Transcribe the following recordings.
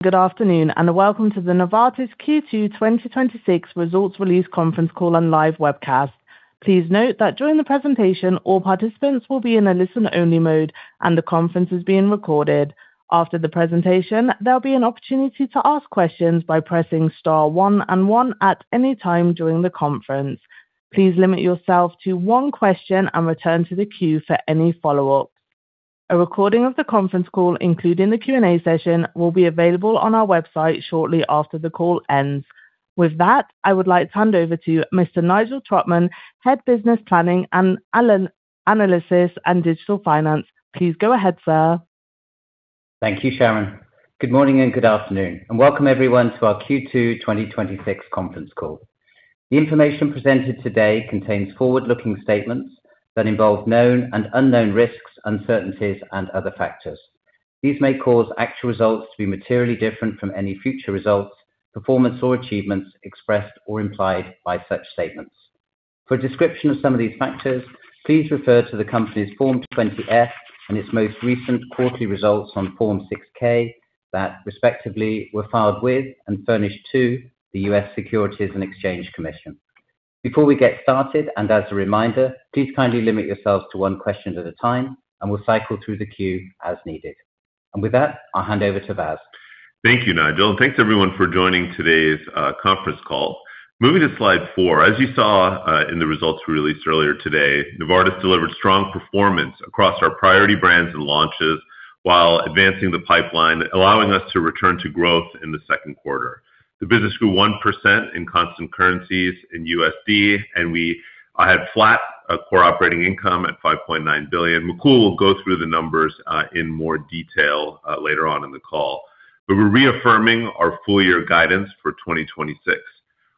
Good afternoon, and welcome to the Novartis Q2 2026 results release conference call and live webcast. Please note that during the presentation, all participants will be in a listen-only mode and the conference is being recorded. After the presentation, there will be an opportunity to ask questions by pressing star one and one at any time during the conference. Please limit yourself to one question and return to the queue for any follow-ups. A recording of the conference call, including the Q&A session, will be available on our website shortly after the call ends. With that, I would like to hand over to Mr. Nigel Trotman, Head of Business Planning, Analysis and Digital Finance. Please go ahead, sir. Thank you, Sharon. Good morning and good afternoon, welcome everyone to our Q2 2026 conference call. The information presented today contains forward-looking statements that involve known and unknown risks, uncertainties, and other factors. These may cause actual results to be materially different from any future results, performance or achievements expressed or implied by such statements. For a description of some of these factors, please refer to the company's Form 20-F and its most recent quarterly results on Form 6-K that respectively were filed with and furnished to the U.S. Securities and Exchange Commission. Before we get started, as a reminder, please kindly limit yourselves to one question at a time and we will cycle through the queue as needed. With that, I will hand over to Vas. Thank you, Nigel. Thanks everyone for joining today's conference call. Moving to slide four. As you saw in the results we released earlier today, Novartis delivered strong performance across our priority brands and launches while advancing the pipeline, allowing us to return to growth in the second quarter. The business grew 1% in constant currencies in USD, we had flat core operating income at $5.9 billion. Mukul will go through the numbers in more detail later on in the call, we are reaffirming our full year guidance for 2026.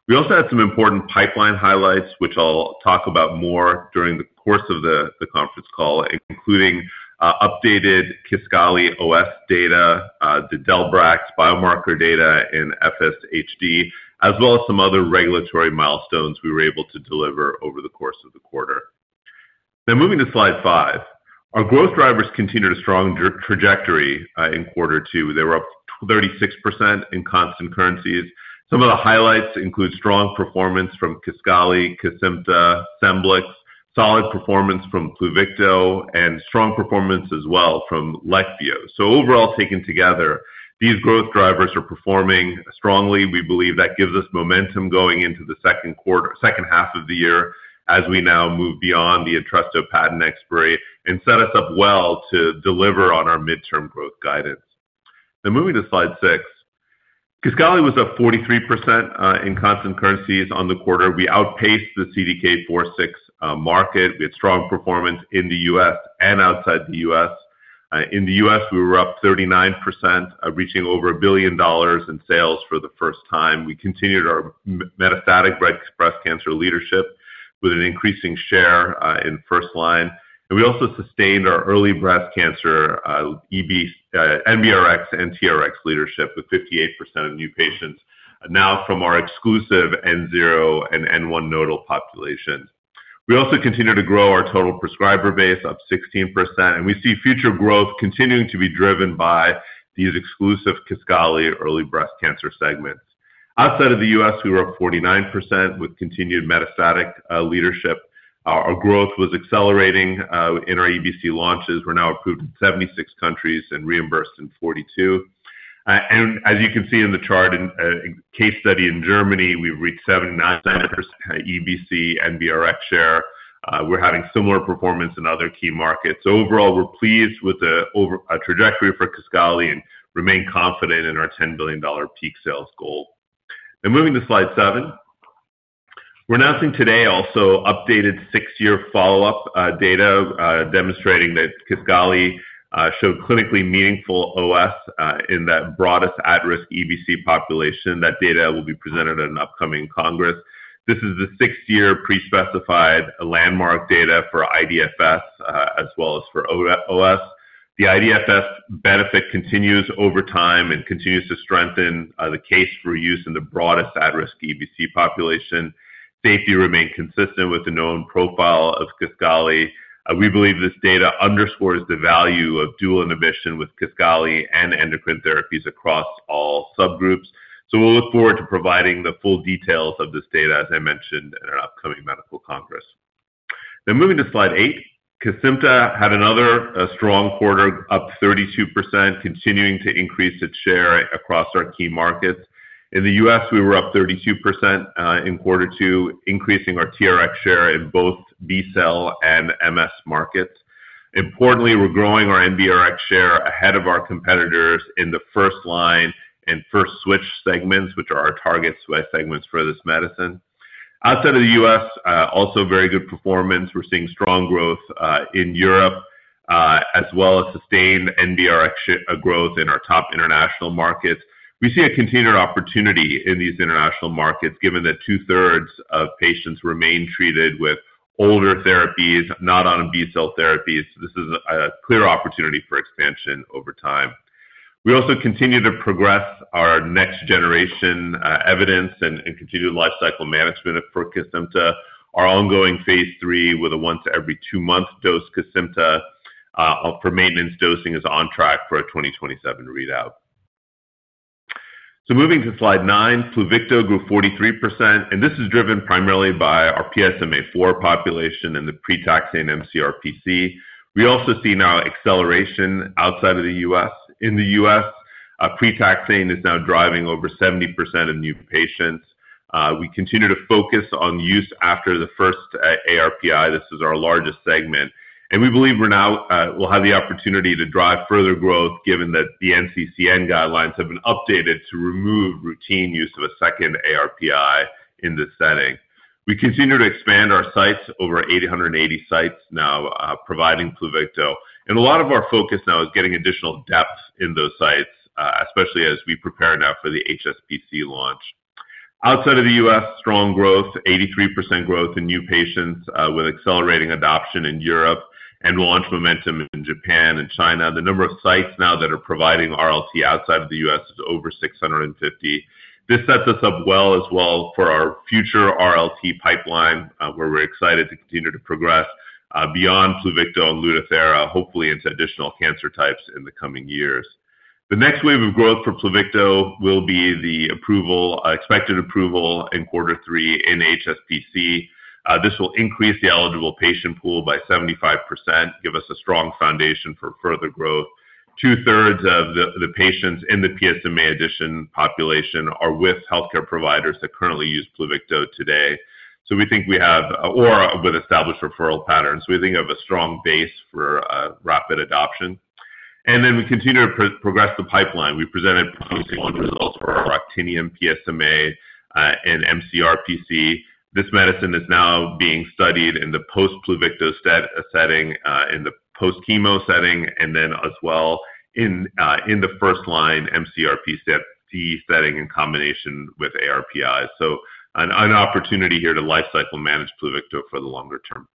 We also had some important pipeline highlights, which I will talk about more during the course of the conference call, including updated KISQALI OS data, the del-brax biomarker data in FSHD, as well as some other regulatory milestones we were able to deliver over the course of the quarter. Moving to slide five. Our growth drivers continued a strong trajectory in quarter two. They were up 36% in constant currencies. Some of the highlights include strong performance from KISQALI, Cosentyx, Scemblix, solid performance from PLUVICTO, and strong performance as well from Leqvio. Overall taken together, these growth drivers are performing strongly. We believe that gives us momentum going into the second half of the year as we now move beyond the Entresto patent expiry and set us up well to deliver on our midterm growth guidance. Moving to slide six. KISQALI was up 43% in constant currencies on the quarter. We outpaced the CDK4/6 market. We had strong performance in the U.S. and outside the U.S. In the U.S., we were up 39%, reaching over $1 billion in sales for the first time. We continued our metastatic breast cancer leadership with an increasing share in first line. We also sustained our early breast cancer, NBRX and TRX leadership with 58% of new patients now from our exclusive N0 and N1 nodal populations. We also continue to grow our total prescriber base up 16%, and we see future growth continuing to be driven by these exclusive KISQALI early breast cancer segments. Outside of the U.S., we were up 49% with continued metastatic leadership. Our growth was accelerating in our EBC launches. We are now approved in 76 countries and reimbursed in 42. As you can see in the chart in case study in Germany, we have reached 79% EBC NBRX share. We are having similar performance in other key markets. Overall, we are pleased with the trajectory for KISQALI and remain confident in our $10 billion peak sales goal. Moving to slide seven. We are announcing today also updated six-year follow-up data, demonstrating that KISQALI showed clinically meaningful OS in that broadest at-risk EBC population. That data will be presented at an upcoming congress. This is the six-year pre-specified landmark data for IDFS as well as for OS. The IDFS benefit continues over time and continues to strengthen the case for use in the broadest at-risk EBC population. Safety remained consistent with the known profile of KISQALI. We believe this data underscores the value of dual inhibition with KISQALI and endocrine therapies across all subgroups. We will look forward to providing the full details of this data, as I mentioned, at an upcoming medical congress. Moving to slide eight. Kesimpta had another strong quarter up 32%, continuing to increase its share across our key markets. In the U.S., we were up 32% in quarter two, increasing our TRX share in both B-cell and MS markets. Importantly, we are growing our NBRX share ahead of our competitors in the first line and first switch segments, which are our targets by segments for this medicine. Outside of the U.S., also very good performance. We are seeing strong growth in Europe, as well as sustained NBRX growth in our top international markets. We see a continued opportunity in these international markets given that two-thirds of patients remain treated with older therapies, not on B-cell therapies. This is a clear opportunity for expansion over time. We also continue to progress our next generation evidence and continue the life cycle management for Kesimpta. Our ongoing phase III with a once every two month dose Kesimpta for maintenance dosing is on track for a 2027 readout. Moving to slide nine, Pluvicto grew 43%, and this is driven primarily by our PSMA-positive population and the pre-taxane mCRPC. We also see now acceleration outside of the U.S. In the U.S., pre-taxane is now driving over 70% of new patients. We continue to focus on use after the first ARPI. This is our largest segment, and we believe we now will have the opportunity to drive further growth given that the NCCN guidelines have been updated to remove routine use of a second ARPI in this setting. We continue to expand our sites, over 880 sites now providing Pluvicto, and a lot of our focus now is getting additional depth in those sites, especially as we prepare now for the HSPC launch. Outside of the U.S., strong growth, 83% growth in new patients with accelerating adoption in Europe and launch momentum in Japan and China. The number of sites now that are providing RLT outside of the U.S. is over 650. This sets us up well as well for our future RLT pipeline, where we're excited to continue to progress beyond Pluvicto and Lutathera, hopefully into additional cancer types in the coming years. The next wave of growth for Pluvicto will be the expected approval in quarter three in HSPC. This will increase the eligible patient pool by 75%, give us a strong foundation for further growth. Two-thirds of the patients in the PSMA-addition population are with healthcare providers that currently use Pluvicto today or with established referral patterns, so we think we have a strong base for rapid adoption. We continue to progress the pipeline. We presented promising launch results for our Actinium PSMA in mCRPC. This medicine is now being studied in the post-Pluvicto setting, in the post-chemo setting, and as well in the first-line mCRPC setting in combination with ARPI. An opportunity here to life-cycle manage Pluvicto for the longer term.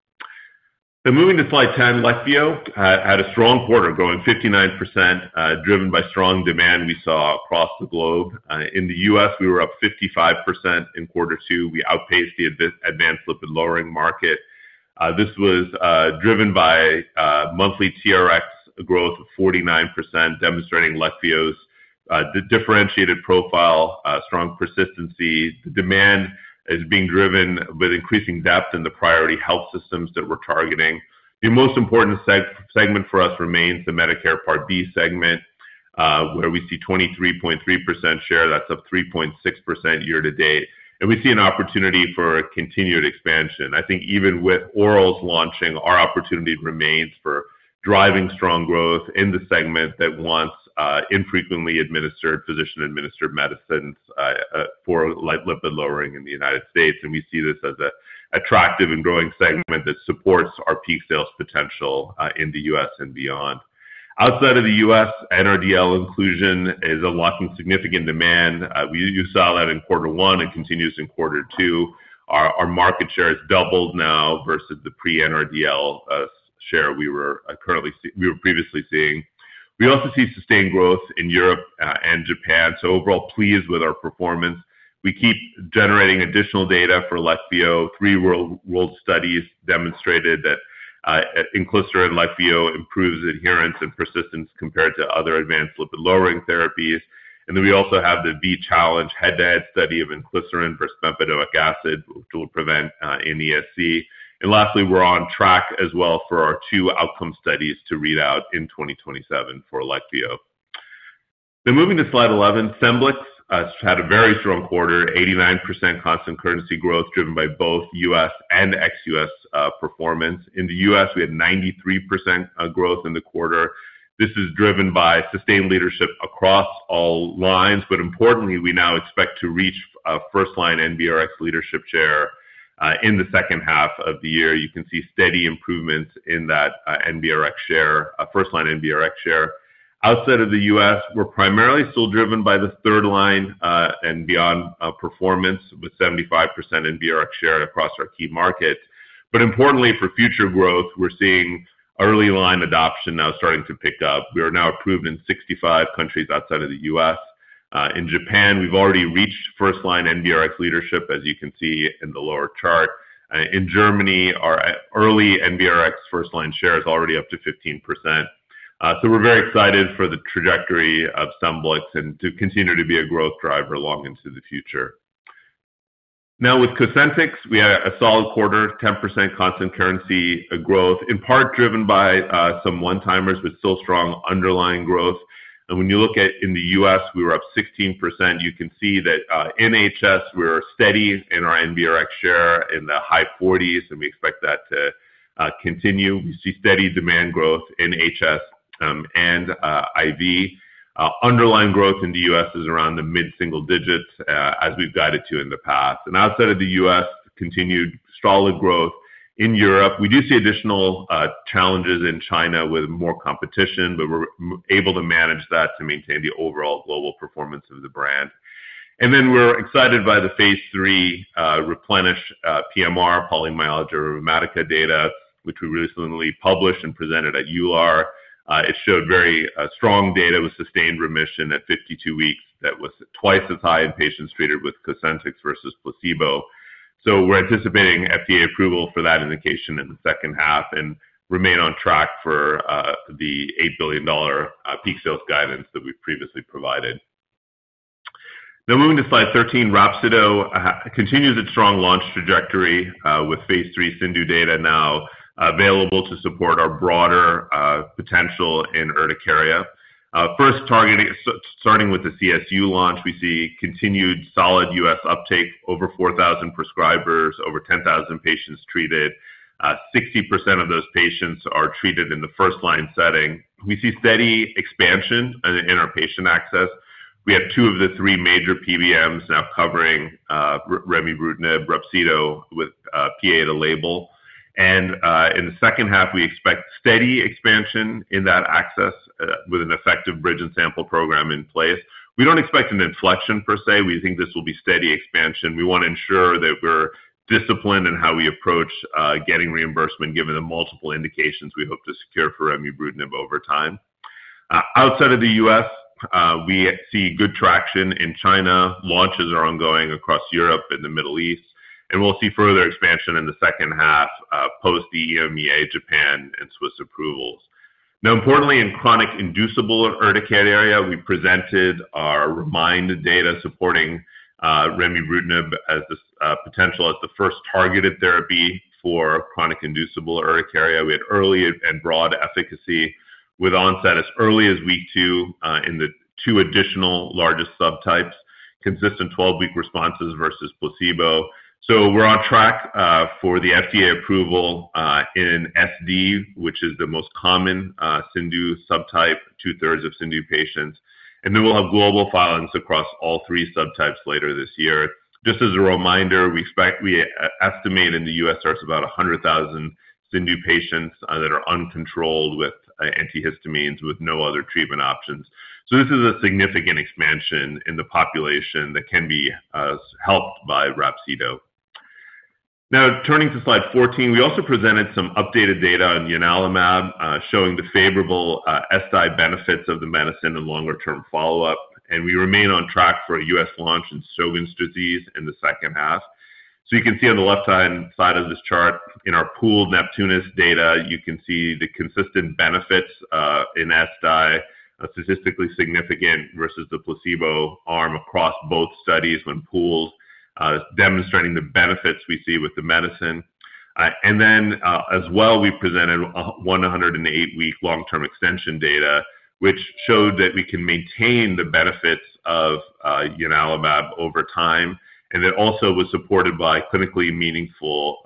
Moving to slide 10, Leqvio had a strong quarter, growing 59%, driven by strong demand we saw across the globe. In the U.S., we were up 55% in quarter two. We outpaced the advanced lipid-lowering market. This was driven by monthly TRX growth of 49%, demonstrating Leqvio's differentiated profile, strong persistency. The demand is being driven with increasing depth in the priority health systems that we're targeting. The most important segment for us remains the Medicare Part B segment, where we see 23.3% share. That's up 3.6% year to date, we see an opportunity for continued expansion. I think even with orals launching, our opportunity remains for driving strong growth in the segment that wants infrequently administered, physician-administered medicines for lipid lowering in the United States, we see this as an attractive and growing segment that supports our peak sales potential in the U.S. and beyond. Outside of the U.S., NRDL inclusion is unlocking significant demand. You saw that in quarter one and continues in quarter two. Our market share has doubled now versus the pre-NRDL share we were previously seeing. We also see sustained growth in Europe and Japan. Overall, pleased with our performance. We keep generating additional data for Leqvio. Three world studies demonstrated that inclisiran Leqvio improves adherence and persistence compared to other advanced lipid-lowering therapies. We also have the V-CHALLENGE head-to-head study of inclisiran versus bempedoic acid to prevent MACE. Lastly, we're on track as well for our two outcome studies to read out in 2027 for Leqvio. Moving to slide 11, Scemblix had a very strong quarter, 89% constant currency growth driven by both U.S. and ex-U.S. performance. In the U.S., we had 93% growth in the quarter. This is driven by sustained leadership across all lines. Importantly, we now expect to reach first-line NBRX leadership share in the second half of the year. You can see steady improvements in that first-line NBRX share. Outside of the U.S., we're primarily still driven by the third line and beyond performance with 75% NBRX share across our key markets. Importantly for future growth, we're seeing early line adoption now starting to pick up. We are now approved in 65 countries outside of the U.S. In Japan, we've already reached first-line NBRX leadership, as you can see in the lower chart. In Germany, our early NBRX first-line share is already up to 15%. We're very excited for the trajectory of Scemblix and to continue to be a growth driver long into the future. With Cosentyx, we had a solid quarter, 10% constant currency growth, in part driven by some one-timers with still strong underlying growth. When you look at in the U.S., we were up 16%. You can see that NHS, we're steady in our NBRX share in the high 40s, and we expect that to continue. We see steady demand growth in HS and IV. Underlying growth in the U.S. is around the mid-single digits as we've guided to in the past. Outside of the U.S., continued solid growth in Europe. We do see additional challenges in China with more competition, but we're able to manage that to maintain the overall global performance of the brand. We're excited by the phase III REPLENISH-PMR polymyalgia rheumatica data, which we recently published and presented at EULAR. It showed very strong data with sustained remission at 52 weeks that was twice as high in patients treated with Cosentyx versus placebo. We're anticipating FDA approval for that indication in the second half and remain on track for the $8 billion peak sales guidance that we've previously provided. Moving to slide 13, Rhapsido continues its strong launch trajectory with phase III CIndU data now available to support our broader potential in urticaria. First starting with the CSU launch, we see continued solid U.S. uptake, over 4,000 prescribers, over 10,000 patients treated. 60% of those patients are treated in the first-line setting. We see steady expansion in our patient access. We have two of the three major PBMs now covering remibrutinib, Rhapsido, with PA to label. In the second half, we expect steady expansion in that access with an effective bridge and sample program in place. We don't expect an inflection per se. We think this will be steady expansion. We want to ensure that we're disciplined in how we approach getting reimbursement given the multiple indications we hope to secure for remibrutinib over time. Outside of the U.S., we see good traction in China. Launches are ongoing across Europe and the Middle East, and we'll see further expansion in the second half post the EMEA, Japan, and Swiss approvals. Importantly, in chronic inducible urticaria, we presented our REMIND data supporting remibrutinib as the first targeted therapy for chronic inducible urticaria. We had early and broad efficacy with onset as early as week two in the two additional largest subtypes, consistent 12-week responses versus placebo. We're on track for the FDA approval in SD, which is the most common CIndU subtype, two-thirds of CIndU patients. We'll have global filings across all three subtypes later this year. As a reminder, we estimate in the U.S. there's about 100,000 CIndU patients that are uncontrolled with antihistamines with no other treatment options. This is a significant expansion in the population that can be helped by Rhapsido. Turning to slide 14, we also presented some updated data on ianalumab showing the favorable ESSDAI benefits of the medicine in longer-term follow-up, and we remain on track for a U.S. launch in Sjögren's disease in the second half. You can see on the left-hand side of this chart in our pooled NEPTUNUS data, you can see the consistent benefits in ESSDAI, statistically significant versus the placebo arm across both studies when pooled, demonstrating the benefits we see with the medicine. We presented a 108-week long-term extension data, which showed that we can maintain the benefits of ianalumab over time, and it also was supported by clinically meaningful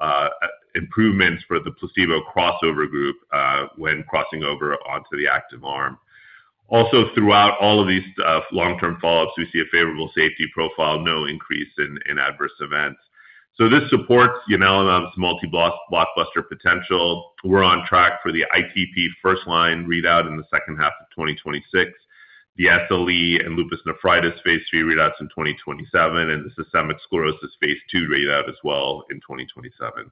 improvements for the placebo crossover group when crossing over onto the active arm. Throughout all of these long-term follow-ups, we see a favorable safety profile, no increase in adverse events. This supports ianalumab's multi-blockbuster potential. We're on track for the ITP first-line readout in the second half of 2026, the SLE and lupus nephritis phase III readouts in 2027, and the systemic sclerosis phase II readout as well in 2027.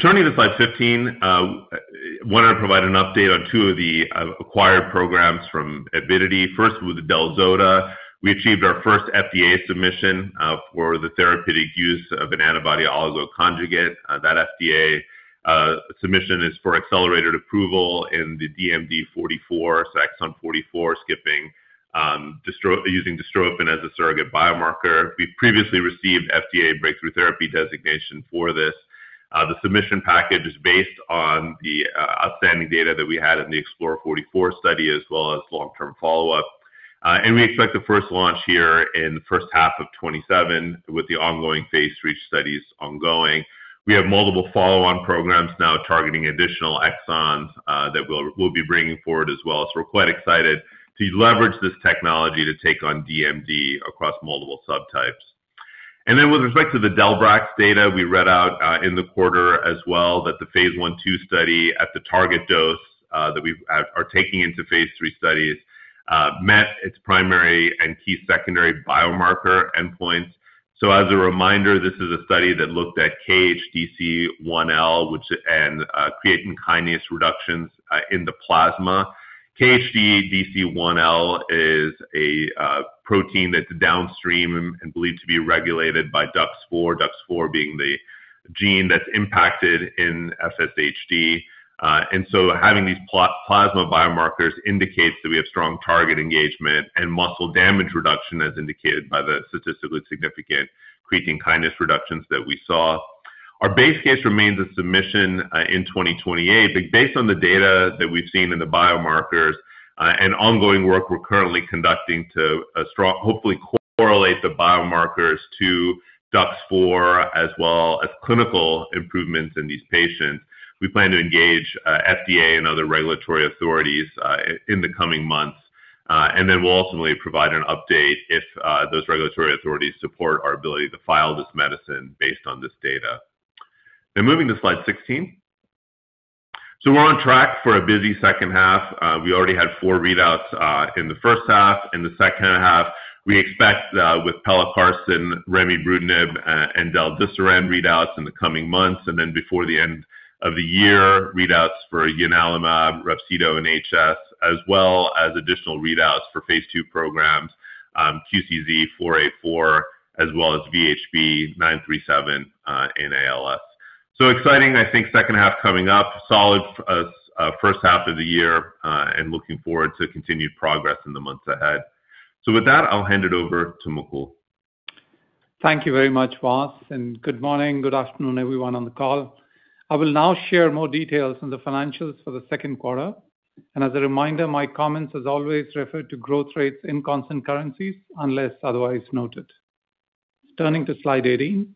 Turning to slide 15, I wanted to provide an update on two of the acquired programs from Avidity. First was del-zota. We achieved our first FDA submission for the therapeutic use of an antibody oligo conjugate. That FDA submission is for accelerated approval in the DMD 44, exon 44 skipping, using dystrophin as a surrogate biomarker. We previously received FDA breakthrough therapy designation for this. The submission package is based on the outstanding data that we had in the EXPLORE44 study as well as long-term follow-up. We expect the first launch here in the first half of 2027 with the ongoing phase III studies ongoing. We have multiple follow-on programs now targeting additional exons that we'll be bringing forward as well. We're quite excited to leverage this technology to take on DMD across multiple subtypes. With respect to the del-brax data, we read out in the quarter as well that the phase I/II study at the target dose that we are taking into phase III studies met its primary and key secondary biomarker endpoints. As a reminder, this is a study that looked at KHDC1L and creatine kinase reductions in the plasma. KHDC1L is a protein that's downstream and believed to be regulated by DUX4 being the gene that's impacted in FSHD. Having these plasma biomarkers indicates that we have strong target engagement and muscle damage reduction as indicated by the statistically significant creatine kinase reductions that we saw. Our base case remains a submission in 2028, but based on the data that we've seen in the biomarkers and ongoing work we're currently conducting to hopefully correlate the biomarkers to DUX4 as well as clinical improvements in these patients, we plan to engage FDA and other regulatory authorities in the coming months. We'll ultimately provide an update if those regulatory authorities support our ability to file this medicine based on this data. Moving to slide 16. We're on track for a busy second half. We already had four readouts in the first half. In the second half, we expect with pelacarsen, remibrutinib, and del-desiran readouts in the coming months, before the end of the year readouts for ianalumab, Rhapsido, and HS, as well as additional readouts for phase II programs, QCZ484, as well as VHB937 in ALS. Exciting, I think second half coming up. Solid first half of the year and looking forward to continued progress in the months ahead. With that, I'll hand it over to Mukul. Thank you very much, Vas, and good morning, good afternoon, everyone on the call. I will now share more details on the financials for the second quarter. As a reminder, my comments as always refer to growth rates in constant currencies, unless otherwise noted. Turning to slide 18.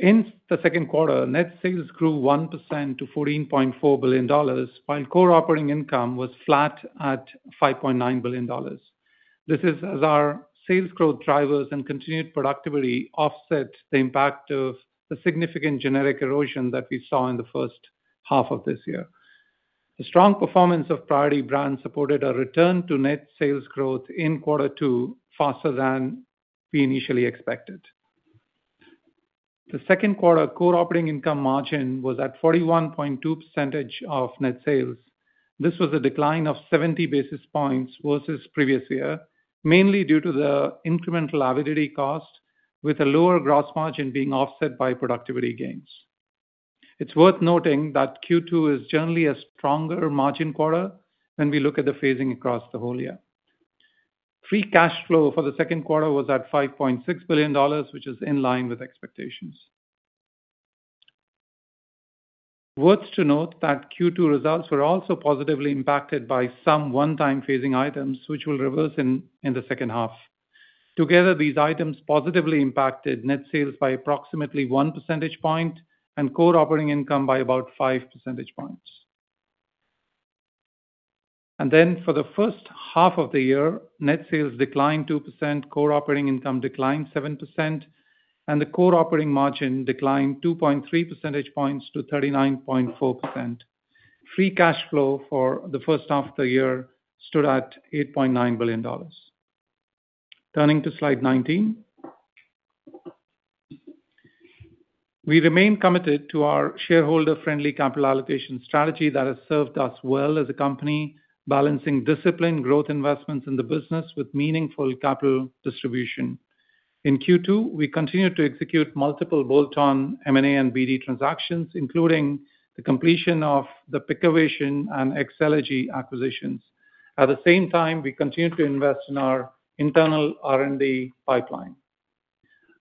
In the second quarter, net sales grew 1% to $14.4 billion, while core operating income was flat at $5.9 billion. This is as our sales growth drivers and continued productivity offset the impact of the significant generic erosion that we saw in the first half of this year. The strong performance of priority brands supported a return to net sales growth in quarter two faster than we initially expected. The second quarter core operating income margin was at 41.2% of net sales. This was a decline of 70 basis points versus previous year, mainly due to the incremental Avidity cost, with a lower gross margin being offset by productivity gains. It's worth noting that Q2 is generally a stronger margin quarter when we look at the phasing across the whole year. Free cash flow for the second quarter was at $5.6 billion, which is in line with expectations. Worth to note that Q2 results were also positively impacted by some one-time phasing items, which will reverse in the second half. Together, these items positively impacted net sales by approximately one percentage point and core operating income by about five percentage points. For the first half of the year, net sales declined 2%, core operating income declined 7%, and the core operating margin declined 2.3 percentage points to 39.4%. Free cash flow for the first half of the year stood at $8.9 billion. Turning to slide 19. We remain committed to our shareholder-friendly capital allocation strategy that has served us well as a company, balancing disciplined growth investments in the business with meaningful capital distribution. In Q2, we continued to execute multiple bolt-on M&A and BD transactions, including the completion of the Pikavation and Excellergy acquisitions. At the same time, we continued to invest in our internal R&D pipeline.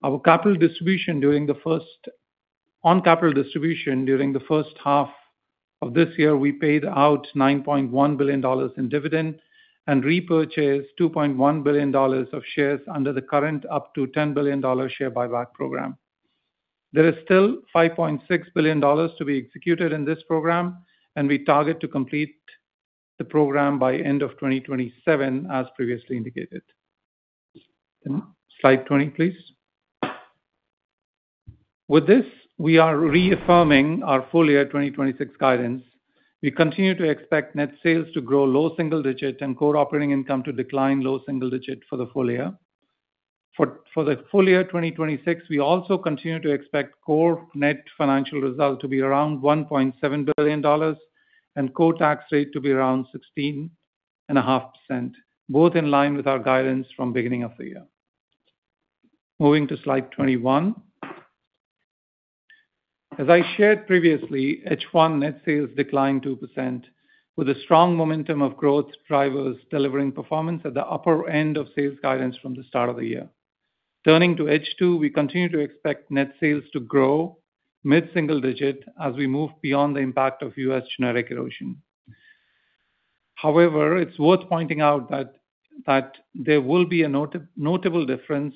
On capital distribution during the first half of this year, we paid out $9.1 billion in dividends and repurchased $2.1 billion of shares under the current up to $10 billion share buyback program. There is still $5.6 billion to be executed in this program, and we target to complete the program by end of 2027, as previously indicated. Slide 20, please. With this, we are reaffirming our full-year 2026 guidance. We continue to expect net sales to grow low single digits and core operating income to decline low single digits for the full year. For the full year 2026, we also continue to expect core net financial results to be around $1.7 billion and core tax rate to be around 16.5%, both in line with our guidance from beginning of the year. Moving to slide 21. As I shared previously, H1 net sales declined 2%, with the strong momentum of growth drivers delivering performance at the upper end of sales guidance from the start of the year. Turning to H2, we continue to expect net sales to grow mid-single digits as we move beyond the impact of U.S. generic erosion. However, it's worth pointing out that there will be a notable difference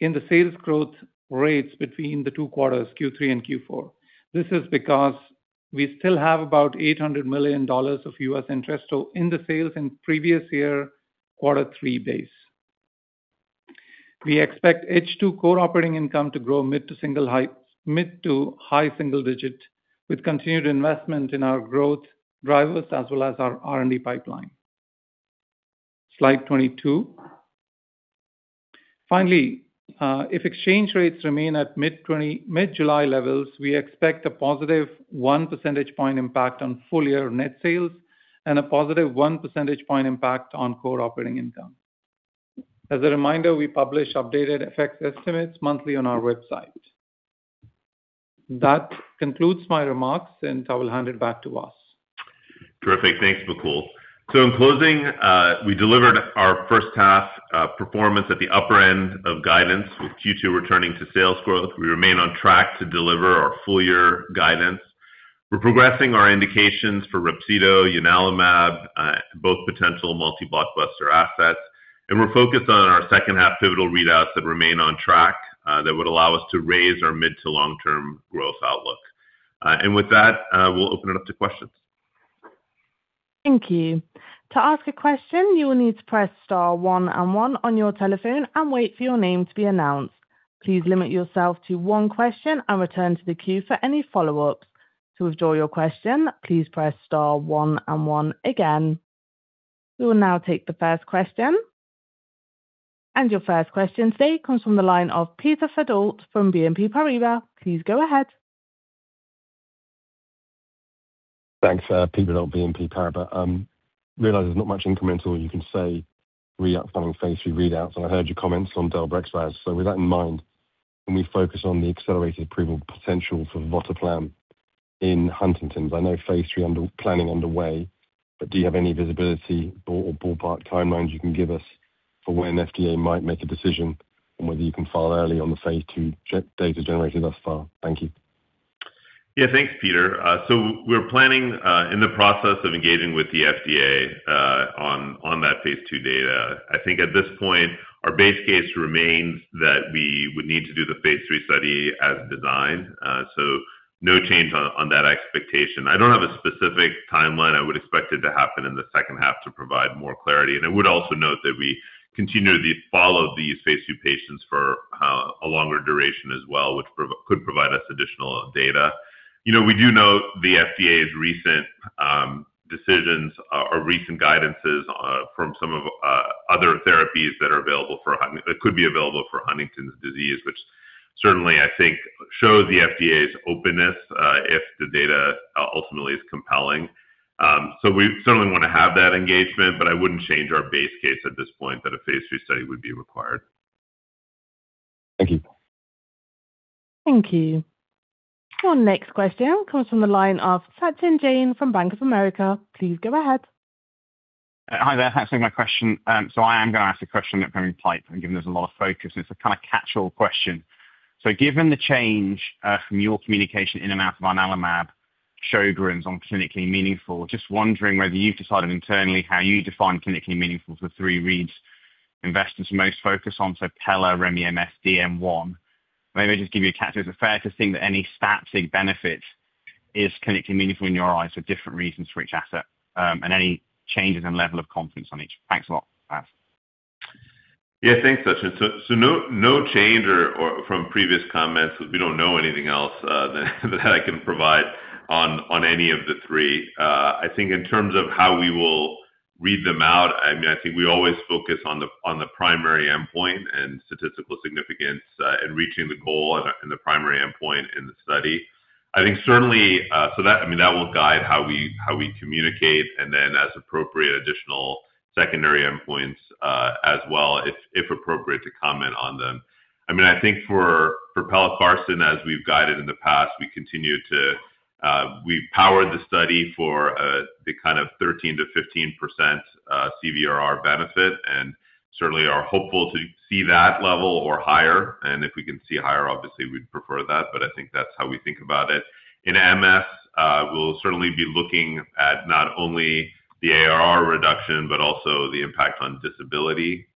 in the sales growth rates between the two quarters, Q3 and Q4. This is because we still have about $800 million of U.S. Entresto in the sales in previous year quarter three base. We expect H2 core operating income to grow mid to high single digits with continued investment in our growth drivers as well as our R&D pipeline. Slide 22. Finally, if exchange rates remain at mid-July levels, we expect a positive one percentage point impact on full-year net sales and a positive one percentage point impact on core operating income. As a reminder, we publish updated FX estimates monthly on our website. That concludes my remarks. I will hand it back to Vas. Terrific. Thanks, Mukul. In closing, we delivered our first half performance at the upper end of guidance, with Q2 returning to sales growth. We remain on track to deliver our full-year guidance. We're progressing our indications for Rhapsido, ianalumab, both potential multi-blockbuster assets. We're focused on our second half pivotal readouts that remain on track that would allow us to raise our mid to long-term growth outlook. With that, we'll open it up to questions. Thank you. To ask a question, you will need to press star one and one on your telephone and wait for your name to be announced. Please limit yourself to one question and return to the queue for any follow-ups. To withdraw your question, please press star one and one again. We will now take the first question. Your first question today comes from the line of Peter Verdult from BNP Paribas. Please go ahead. Thanks. Peter Verdult, BNP Paribas. Realize there's not much incremental you can say re upcoming phase III readouts, and I heard your comments on del-brax. With that in mind, can we focus on the accelerated approval potential for votoplam in Huntington's? I know phase III planning underway, but do you have any visibility or ballpark timelines you can give us for when FDA might make a decision, and whether you can file early on the phase II data generated thus far? Thank you. Yeah, thanks, Peter. We're planning, in the process of engaging with the FDA on that phase II data. I think at this point, our base case remains that we would need to do the phase III study as designed. No change on that expectation. I don't have a specific timeline. I would expect it to happen in the second half to provide more clarity. I would also note that we continue to follow these phase II patients for a longer duration as well, which could provide us additional data. We do note the FDA's recent decisions or recent guidances from some of other therapies that could be available for Huntington's disease, which certainly, I think, shows the FDA's openness if the data ultimately is compelling. We certainly want to have that engagement, but I wouldn't change our base case at this point that a phase III study would be required. Thank you. Thank you. Our next question comes from the line of Sachin Jain from Bank of America. Please go ahead. Hi there. Thanks for taking my question. I'm going to ask a question that probably hyped, given there's a lot of focus, and it's a kind of catchall question. Given the change from your communication in and out of ianalumab Sjögren's on clinically meaningful, just wondering whether you've decided internally how you define clinically meaningful for three reads investors most focus on, so Pella, remi MS, DM1. Maybe just give you a catch. Is it fair to think that any statistically significant benefit is clinically meaningful in your eyes for different reasons for each asset, and any changes in level of confidence on each? Thanks a lot, Vas. Yeah, thanks, Sachin. No change from previous comments. We don't know anything else that I can provide on any of the three. I think in terms of how we will read them out, I think we always focus on the primary endpoint and statistical significance, and reaching the goal and the primary endpoint in the study. That will guide how we communicate and then as appropriate, additional secondary endpoints, as well if appropriate to comment on them. I think for pelacarsen, as we've guided in the past, we've powered the study for the kind of 13%-15% CVRR benefit, and certainly are hopeful to see that level or higher. If we can see higher, obviously we'd prefer that, but I think that's how we think about it. In MS, we'll certainly be looking at not only the ARR reduction, but also the impact on disability.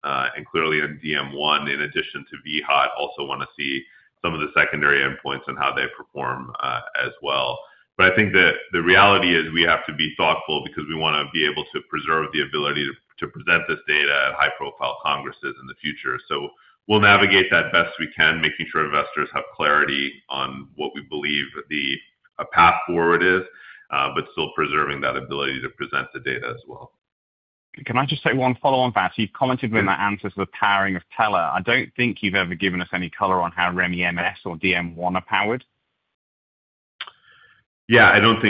Clearly on DM1, in addition to vHOT, also want to see some of the secondary endpoints and how they perform as well. I think that the reality is we have to be thoughtful because we want to be able to preserve the ability to present this data at high profile congresses in the future. We'll navigate that best we can, making sure investors have clarity on what we believe the path forward is, but still preserving that ability to present the data as well. Can I just take one follow on, Vas? You have commented in that answer to the powering of pella. I do not think you have ever given us any color on how remibrutinib MS or DM1 are powered. I do not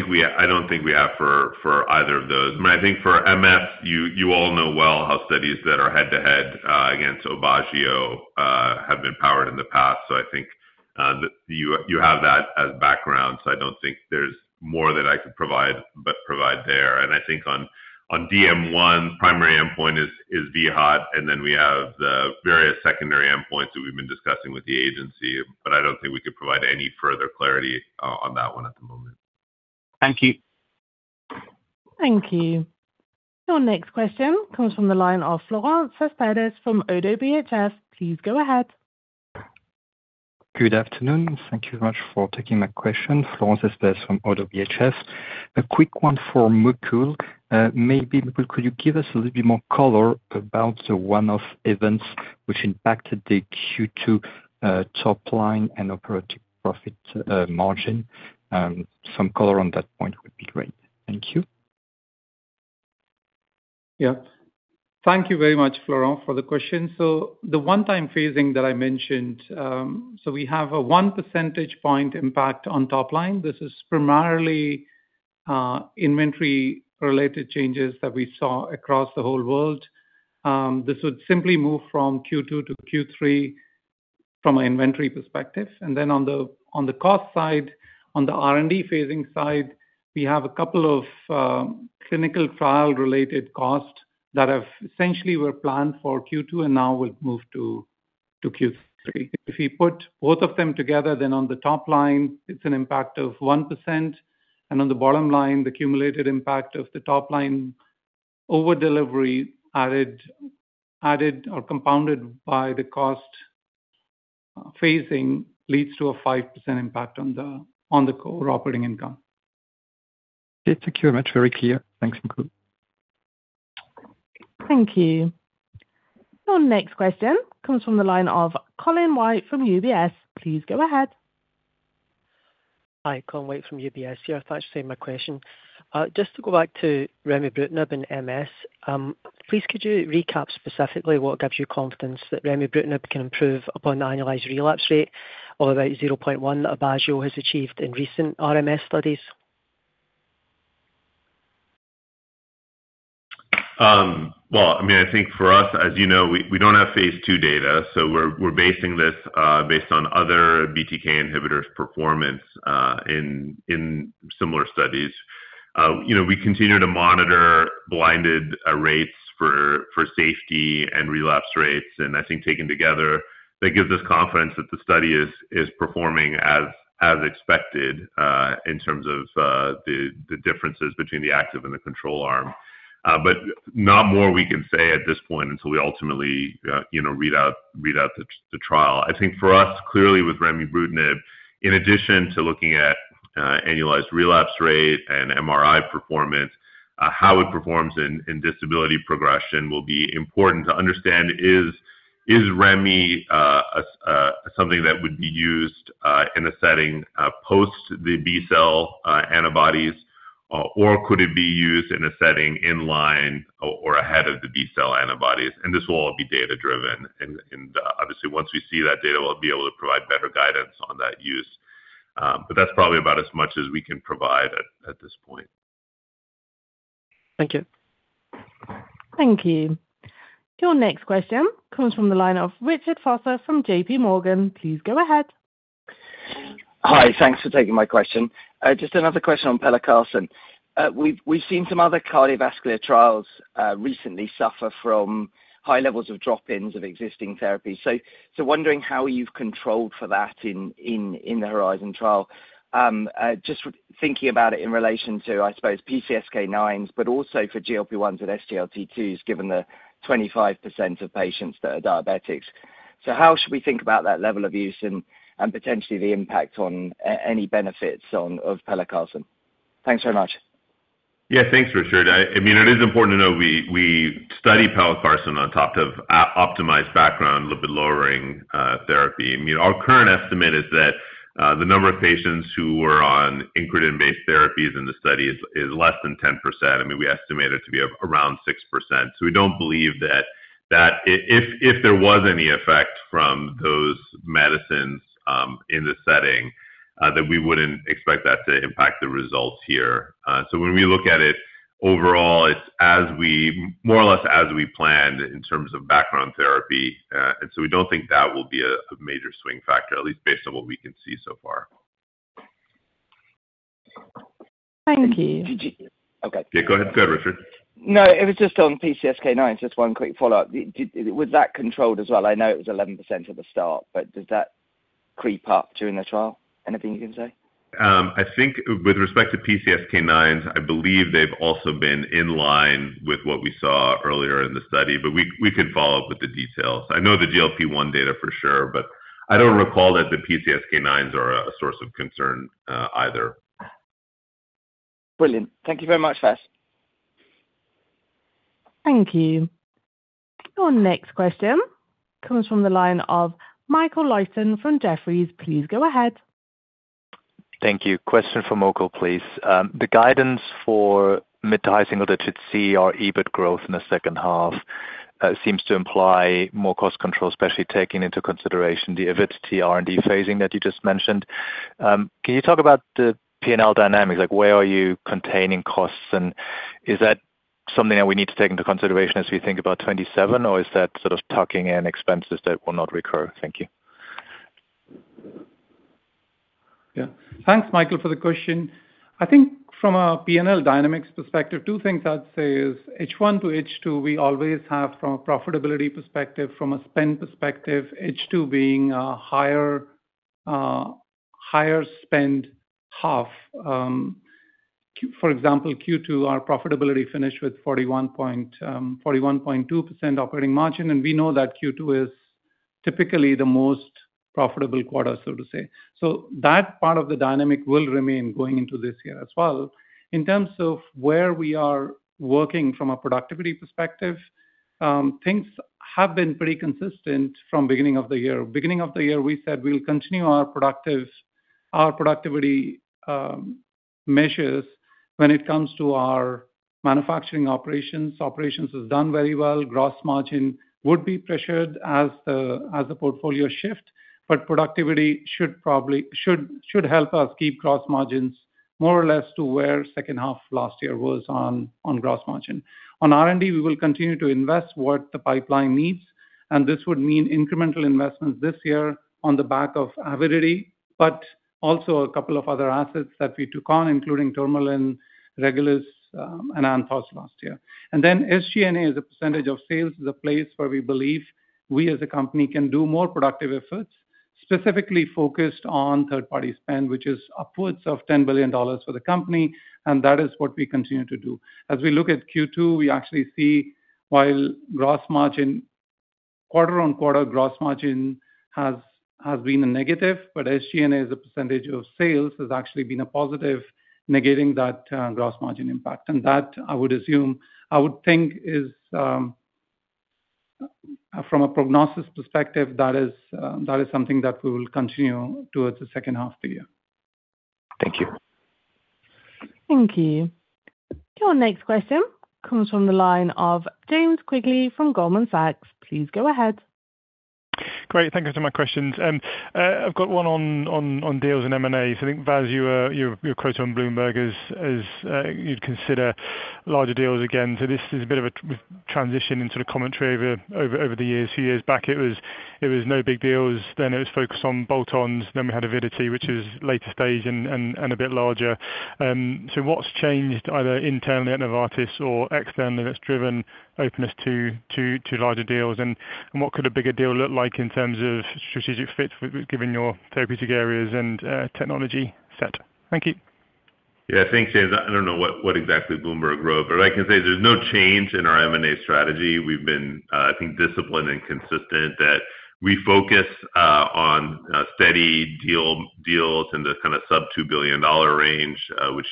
think we have for either of those. I think for MS, you all know well how studies that are head-to-head against Aubagio have been powered in the past. I think you have that as background, I do not think there is more that I could provide there. I think on DM1, primary endpoint is vHOT, and then we have the various secondary endpoints that we have been discussing with the agency. I do not think we could provide any further clarity on that one at the moment. Thank you. Thank you. Your next question comes from the line of Florent Cespedes from ODDO BHF. Please go ahead. Good afternoon. Thank you very much for taking my question. Florent Cespedes from ODDO BHF. A quick one for Mukul. Maybe Mukul, could you give us a little bit more color about the one-off events which impacted the Q2 top line and operating profit margin? Some color on that point would be great. Thank you. Thank you very much, Florent, for the question. The one-time phasing that I mentioned. We have a one percentage point impact on top line. This is primarily inventory-related changes that we saw across the whole world. This would simply move from Q2 to Q3 from an inventory perspective. On the cost side, on the R&D phasing side, we have a couple of clinical trial-related costs that have essentially were planned for Q2 and now will move to Q3. If we put both of them together, on the top line it's an impact of 1%, and on the bottom line, the cumulative impact of the top line over-delivery added or compounded by the cost phasing leads to a 5% impact on the core operating income. It's very clear. Thanks, Mukul. Thank you. Your next question comes from the line of Colin White from UBS. Please go ahead. Hi, Colin White from UBS here. Thanks for taking my question. Just to go back to remibrutinib and MS. Please could you recap specifically what gives you confidence that remibrutinib can improve upon the annualized relapse rate of about 0.1 Aubagio has achieved in recent RMS studies? Well, I think for us, as you know, we don't have phase II data. We're basing this based on other BTK inhibitors performance in similar studies. We continue to monitor blinded rates for safety and relapse rates, and I think taken together, that gives us confidence that the study is performing as expected, in terms of the differences between the active and the control arm. Not more we can say at this point until we ultimately read out the trial. I think for us, clearly with remibrutinib, in addition to looking at annualized relapse rate and MRI performance, how it performs in disability progression will be important to understand, is remibrutinib something that would be used in a setting post the B-cell antibodies, or could it be used in a setting in line or ahead of the B-cell antibodies? This will all be data-driven. Obviously, once we see that data, we'll be able to provide better guidance on that use. That's probably about as much as we can provide at this point. Thank you. Thank you. Your next question comes from the line of Richard Vosser from JPMorgan. Please go ahead. Hi. Thanks for taking my question. Just another question on pelacarsen. We've seen some other cardiovascular trials recently suffer from high levels of drop-ins of existing therapies. Wondering how you've controlled for that in the HORIZON trial. Just thinking about it in relation to, I suppose, PCSK9s, but also for GLP-1s and SGLT2s, given the 25% of patients that are diabetics. How should we think about that level of use and potentially the impact on any benefits of pelacarsen? Thanks so much. Yeah, thanks, Richard. It is important to know we study pelacarsen on top of optimized background lipid-lowering therapy. Our current estimate is that the number of patients who were on incretin-based therapies in the study is less than 10%. We estimate it to be around 6%. We don't believe that if there was any effect from those medicines in the setting, that we wouldn't expect that to impact the results here. When we look at it overall, it's more or less as we planned in terms of background therapy. We don't think that will be a major swing factor, at least based on what we can see so far. Thank you. Okay. Yeah, go ahead, Richard. It was just on PCSK9s, just one quick follow-up. Was that controlled as well? I know it was 11% at the start, but does that creep up during the trial? Anything you can say? I think with respect to PCSK9s, I believe they've also been in line with what we saw earlier in the study, but we could follow up with the details. I know the GLP-1 data for sure, but I don't recall that the PCSK9s are a source of concern either. Brilliant. Thank you very much, Vas. Thank you. Your next question comes from the line of Michael Leuchten from Jefferies. Please go ahead. Thank you. Question for Mukul, please. The guidance for mid to high single-digit core EBIT growth in the second half seems to imply more cost control, especially taking into consideration the Avidity R&D phasing that you just mentioned. Can you talk about the P&L dynamics? Where are you containing costs, and is that something that we need to take into consideration as we think about 2027, or is that sort of tucking in expenses that will not recur? Thank you. Yeah. Thanks, Michael, for the question. I think from a P&L dynamics perspective, two things I'd say is H1 to H2, we always have from a profitability perspective, from a spend perspective, H2 being a higher spend half. For example, Q2, our profitability finished with 41.2% operating margin, and we know that Q2 is typically the most profitable quarter, so to say. That part of the dynamic will remain going into this year as well. In terms of where we are working from a productivity perspective, things have been pretty consistent from beginning of the year. Beginning of the year, we said we'll continue our productivity measures when it comes to our manufacturing operations. Operations has done very well. Gross margin would be pressured as the portfolio shift, but productivity should help us keep gross margins more or less to where second half last year was on gross margin. On R&D, we will continue to invest what the pipeline needs. This would mean incremental investments this year on the back of Avidity, but also a couple of other assets that we took on, including Tourmaline, Regulus, and Amplyx last year. SG&A, as a percentage of sales, is a place where we believe we as a company can do more productive efforts, specifically focused on third-party spend, which is upwards of $10 billion for the company. That is what we continue to do. We look at Q2, we actually see while quarter-over-quarter gross margin has been a negative, but SG&A, as a percentage of sales, has actually been a positive, negating that gross margin impact. From a prognosis perspective, that is something that we will continue towards the second half of the year. Thank you. Thank you. Your next question comes from the line of James Quigley from Goldman Sachs. Please go ahead. Great. Thank you for my questions. I've got one on deals and M&A. I think, Vas, your quote on Bloomberg is you'd consider larger deals again. This is a bit of a transition in sort of commentary over the years. A few years back, it was no big deals, then it was focused on bolt-ons, then we had Avidity, which is later stage and a bit larger. What's changed either internally at Novartis or externally that's driven openness to larger deals? What could a bigger deal look like in terms of strategic fit, given your therapeutic areas and technology set? Thank you. Yeah, thanks, James. I don't know what exactly Bloomberg wrote, but I can say there's no change in our M&A strategy. We've been, I think, disciplined and consistent that we focus on steady deals in the kind of sub-$2 billion range, which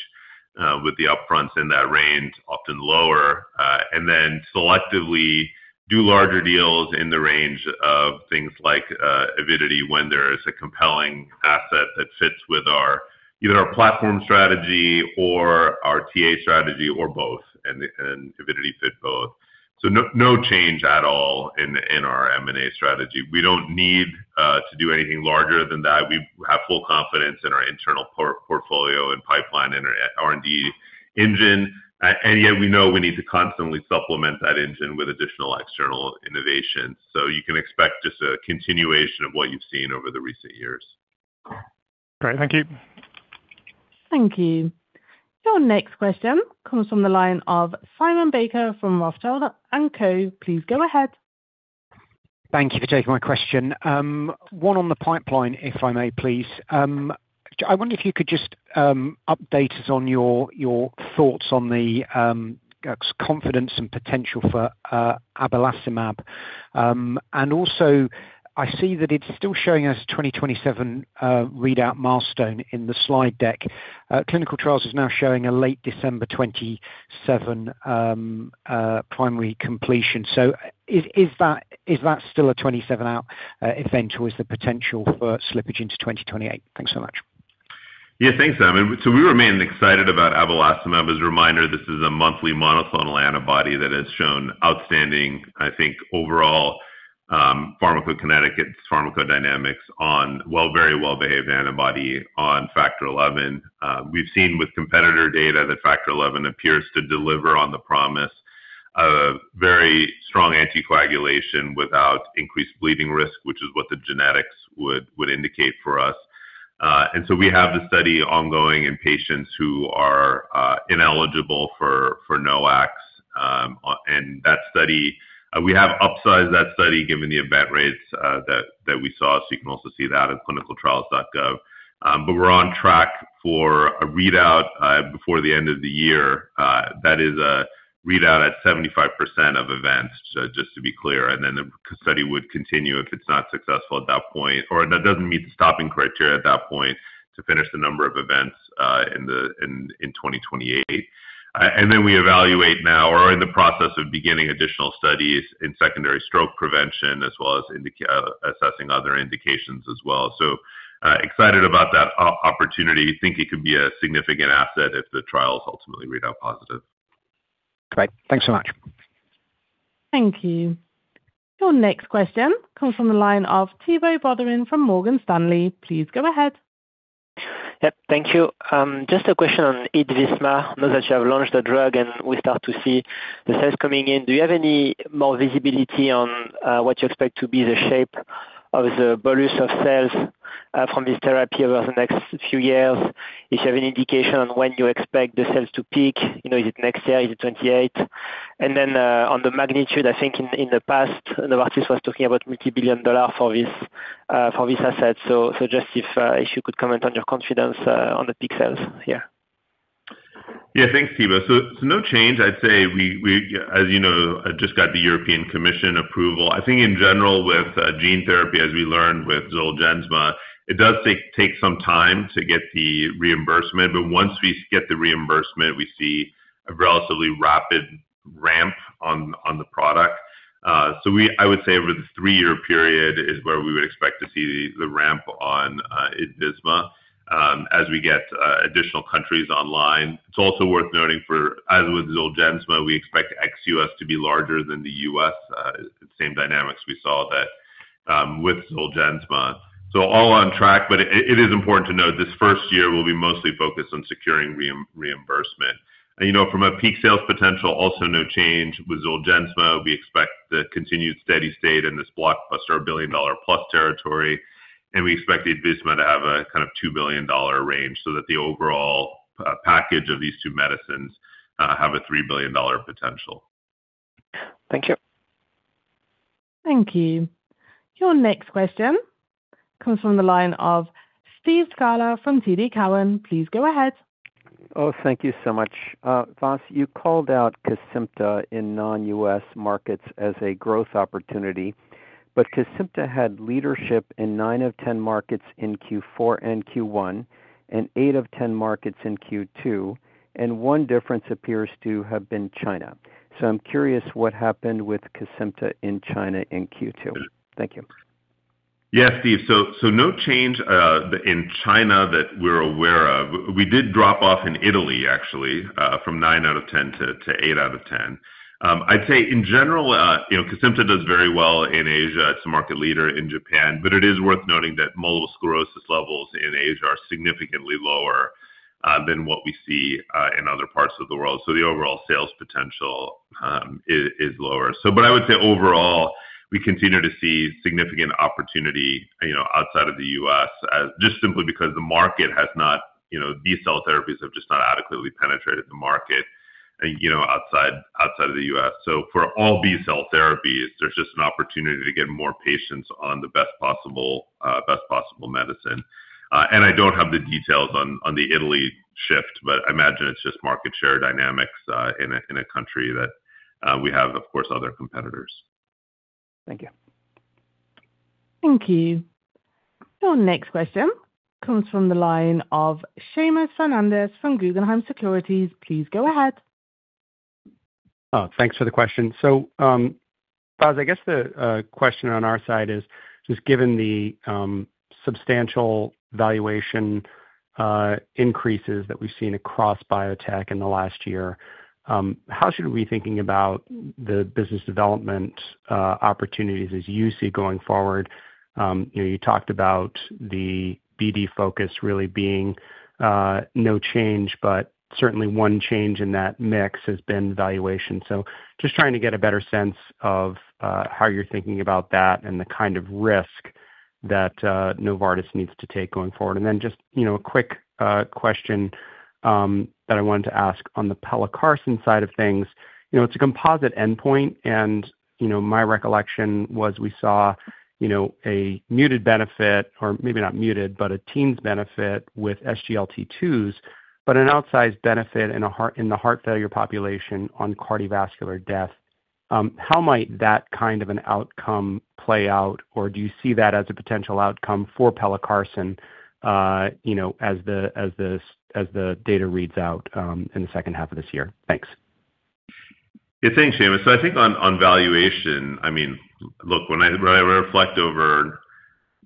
with the upfront in that range, often lower. Then selectively do larger deals in the range of things like Avidity when there is a compelling asset that fits with either our platform strategy or our TA strategy, or both. Avidity fit both. No change at all in our M&A strategy. We don't need to do anything larger than that. We have full confidence in our internal portfolio and pipeline and our R&D engine. Yet we know we need to constantly supplement that engine with additional external innovation. You can expect just a continuation of what you've seen over the recent years. Great. Thank you. Thank you. Your next question comes from the line of Simon Baker from Rothschild & Co. Please go ahead. Thank you for taking my question. One on the pipeline, if I may please. I wonder if you could just update us on your thoughts on the confidence and potential for abelacimab. I see that it is still showing as a 2027 readout milestone in the slide deck. Clinical trials is now showing a late December 2027 primary completion. Is that still a 2027 out event or is the potential for slippage into 2028? Thanks so much. Yeah, thanks, Simon. We remain excited about abelacimab. As a reminder, this is a monthly monoclonal antibody that has shown outstanding, I think, overall pharmacokinetics, pharmacodynamics on very well-behaved antibody on factor XI. We have seen with competitor data that factor XI appears to deliver on the promise of very strong anticoagulation without increased bleeding risk, which is what the genetics would indicate for us. We have the study ongoing in patients who are ineligible for NOACs. We have upsized that study given the event rates that we saw, so you can also see that at clinicaltrials.gov. We are on track for a readout before the end of the year. That is a readout at 75% of events, just to be clear, and then the study would continue if it is not successful at that point, or that does not meet the stopping criteria at that point to finish the number of events in 2028. We evaluate now or are in the process of beginning additional studies in secondary stroke prevention as well as assessing other indications as well. Excited about that opportunity. Think it could be a significant asset if the trials ultimately readout positive. Great. Thanks so much. Thank you. Your next question comes from the line of Thibault Boutherin from Morgan Stanley. Please go ahead. Yep. Thank you. Just a question on Itvisma. Now that you have launched the drug and we start to see the sales coming in, do you have any more visibility on what you expect to be the shape of the bolus of sales from this therapy over the next few years? If you have any indication on when you expect the sales to peak, is it next year? Is it 2028? On the magnitude, I think in the past, Novartis was talking about multi-billion dollar for this asset. Just if you could comment on your confidence on the peak sales. Yeah. Yeah. Thanks, Thibault. No change. I'd say, as you know, just got the European Commission approval. I think in general with gene therapy, as we learned with Zolgensma, it does take some time to get the reimbursement. Once we get the reimbursement, we see a relatively rapid ramp on the product. I would say over the three-year period is where we would expect to see the ramp on Itvisma as we get additional countries online. It's also worth noting as with Zolgensma, we expect ex-U.S. to be larger than the U.S. Same dynamics we saw with Zolgensma. All on track, but it is important to note this first year will be mostly focused on securing reimbursement. From a peak sales potential, also no change. With Zolgensma, we expect the continued steady state in this blockbuster billion-dollar-plus territory, and we expect Itvisma to have a kind of $2 billion range so that the overall package of these two medicines have a $3 billion potential. Thank you. Thank you. Your next question comes from the line of Steve Scala from TD Cowen. Please go ahead. Thank you so much. Vas, you called out Cosentyx in non-U.S. markets as a growth opportunity. Kesimpta had leadership in nine out of 10 markets in Q4 and Q1, and eight out of 10 markets in Q2. One difference appears to have been China. I'm curious what happened with Kesimpta in China in Q2. Thank you. Yes, Steve. No change in China that we're aware of. We did drop off in Italy, actually, from nine out of 10 to eight out of 10. I'd say in general, Kesimpta does very well in Asia. It's a market leader in Japan, but it is worth noting that multiple sclerosis levels in Asia are significantly lower than what we see in other parts of the world. The overall sales potential is lower. I would say overall, we continue to see significant opportunity outside of the U.S., just simply because these cell therapies have just not adequately penetrated the market outside of the U.S. For all B-cell therapies, there's just an opportunity to get more patients on the best possible medicine. I don't have the details on the Italy shift, but I imagine it's just market share dynamics in a country that we have, of course, other competitors. Thank you. Thank you. Your next question comes from the line of Seamus Fernandez from Guggenheim Securities. Please go ahead. Thanks for the question. Vas, I guess the question on our side is, just given the substantial valuation increases that we've seen across biotech in the last year, how should we be thinking about the business development opportunities as you see going forward? You talked about the BD focus really being no change, but certainly one change in that mix has been valuation. Just trying to get a better sense of how you're thinking about that and the kind of risk that Novartis needs to take going forward. Then just a quick question that I wanted to ask on the pelacarsen side of things. It's a composite endpoint, and my recollection was we saw a muted benefit, or maybe not muted, but a teens benefit with SGLT2s, but an outsized benefit in the heart failure population on cardiovascular death. How might that kind of an outcome play out? Or do you see that as a potential outcome for pelacarsen as the data reads out in the second half of this year? Thanks. Yeah. Thanks, Seamus. I think on valuation, look, when I reflect over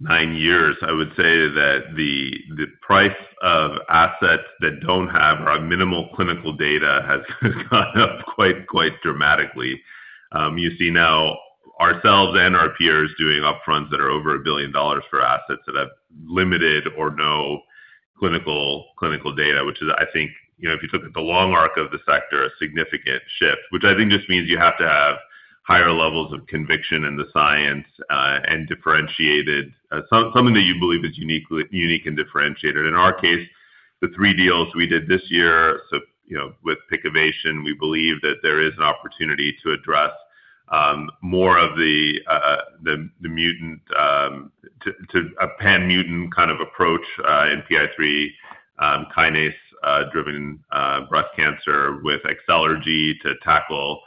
nine years, I would say that the price of assets that don't have or have minimal clinical data has gone up quite dramatically. You see now ourselves and our peers doing upfronts that are over $1 billion for assets that have limited or no clinical data, which is, I think, if you look at the long arc of the sector, a significant shift. Which I think just means you have to have higher levels of conviction in the science and differentiated. Something that you believe is unique and differentiated. In our case, the three deals we did this year, with Pikavation, we believe that there is an opportunity to address more of the pan-mutant kind of approach in PI3 kinase-driven breast cancer with Excellergy to tackle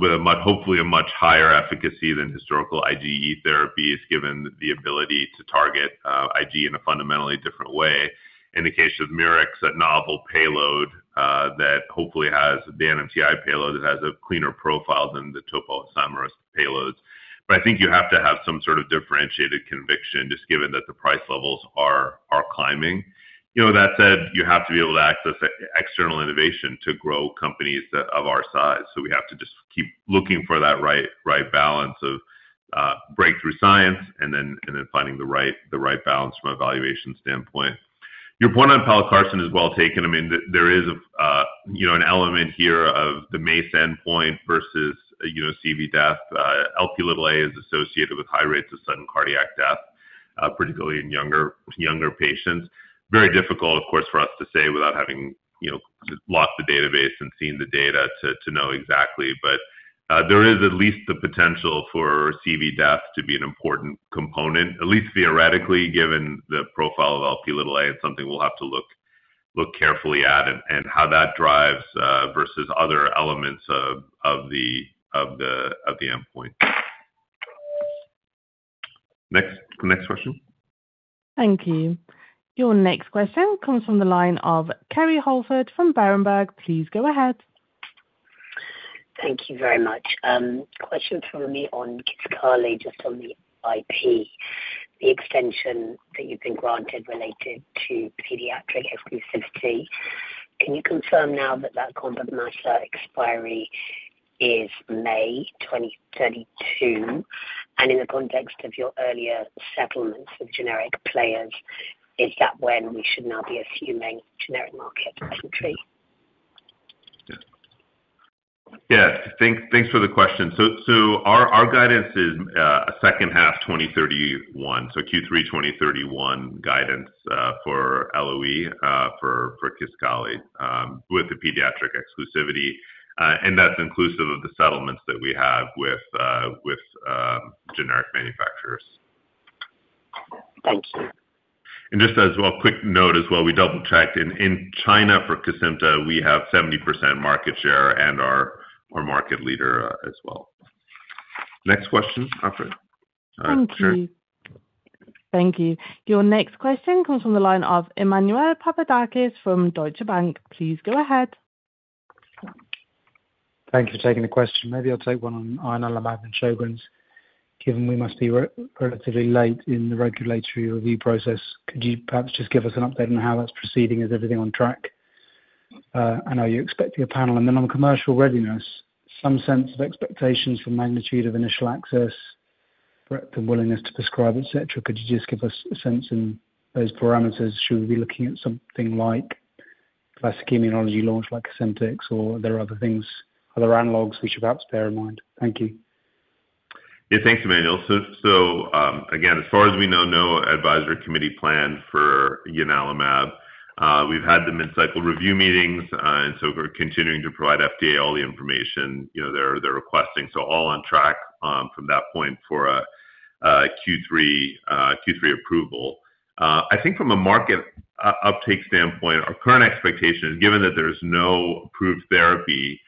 with, hopefully, a much higher efficacy than historical IgE therapies, given the ability to target IgE in a fundamentally different way. In the case of Myricx, a novel payload that hopefully has the NMTi payload, it has a cleaner profile than the topoisomerase payloads. I think you have to have some sort of differentiated conviction, just given that the price levels are climbing. That said, you have to be able to access external innovation to grow companies of our size. We have to just keep looking for that right balance of breakthrough science and then finding the right balance from a valuation standpoint. Your point on pelacarsen is well taken. There is an element here of the MACE endpoint versus CV death. Lp is associated with high rates of sudden cardiac death, particularly in younger patients. Very difficult, of course, for us to say without having locked the database and seen the data to know exactly, but there is at least the potential for CV death to be an important component, at least theoretically, given the profile of Lp. It's something we'll have to look carefully at and how that drives versus other elements of the endpoint. Next question. Thank you. Your next question comes from the line of Kerry Holford from Berenberg. Please go ahead. Thank you very much. Question from me on KISQALI, just on the IP, the extension that you've been granted related to pediatric exclusivity. Can you confirm now that that composition of matter expiry is May 2032? In the context of your earlier settlements with generic players, is that when we should now be assuming generic market entry? Yeah. Thanks for the question. Our guidance is a second half 2031, Q3 2031 guidance for LOE for KISQALI with the pediatric exclusivity, that's inclusive of the settlements that we have with generic manufacturers. Thank you. Just as well, quick note as well, we double-checked. In China for Cosentyx, we have 70% market share and are market leader as well. Next question, operator? Thank you. Your next question comes from the line of Emmanuel Papadakis from Deutsche Bank. Please go ahead. Thank you for taking the question. Maybe I'll take one on ianalumab and Sjögren's, given we must be relatively late in the regulatory review process. Could you perhaps just give us an update on how that's proceeding? Is everything on track? Then on commercial readiness, some sense of expectations for magnitude of initial access, breadth of willingness to prescribe, et cetera, could you just give us a sense in those parameters? Should we be looking at something like classic immunology launch like Cosentyx? Or are there other things, other analogs, we should perhaps bear in mind? Thank you. Yeah, thanks, Emmanuel. Again, as far as we know, no advisory committee plan for ianalumab. We've had the mid-cycle review meetings, so we're continuing to provide FDA all the information they're requesting. All on track from that point for a Q3 approval. I think from a market uptake standpoint, our current expectation, given that there's no approved therapy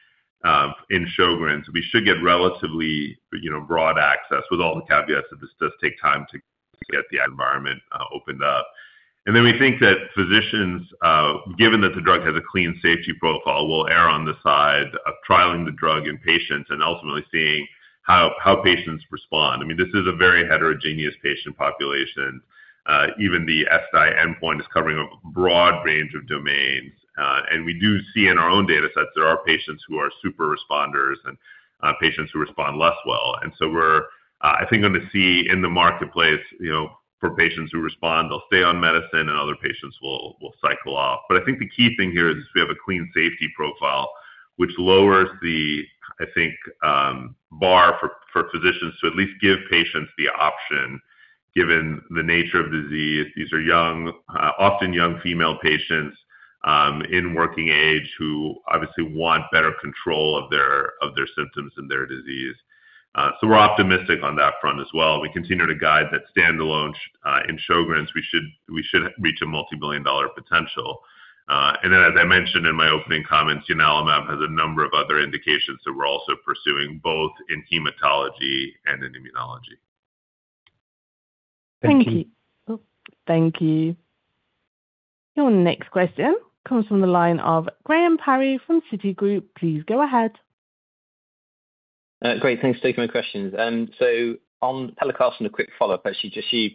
in Sjögren's, we should get relatively broad access with all the caveats that this does take time to get the environment opened up. Then we think that physicians, given that the drug has a clean safety profile, will err on the side of trialing the drug in patients and ultimately seeing how patients respond. This is a very heterogeneous patient population. Even the ESSDAI endpoint is covering a broad range of domains. We do see in our own data sets there are patients who are super responders and patients who respond less well. I think I'm going to see in the marketplace for patients who respond, they'll stay on medicine and other patients will cycle off. I think the key thing here is we have a clean safety profile, which lowers the bar for physicians to at least give patients the option, given the nature of disease. These are often young female patients in working age who obviously want better control of their symptoms and their disease. We're optimistic on that front as well. We continue to guide that standalone in Sjögren's, we should reach a multi-billion dollar potential. As I mentioned in my opening comments, ianalumab has a number of other indications that we're also pursuing, both in hematology and in immunology. Thank you. Thank you. Your next question comes from the line of Graham Parry from Citigroup. Please go ahead. Great. Thanks for taking my questions. On pelacarsen, a quick follow-up, actually, just you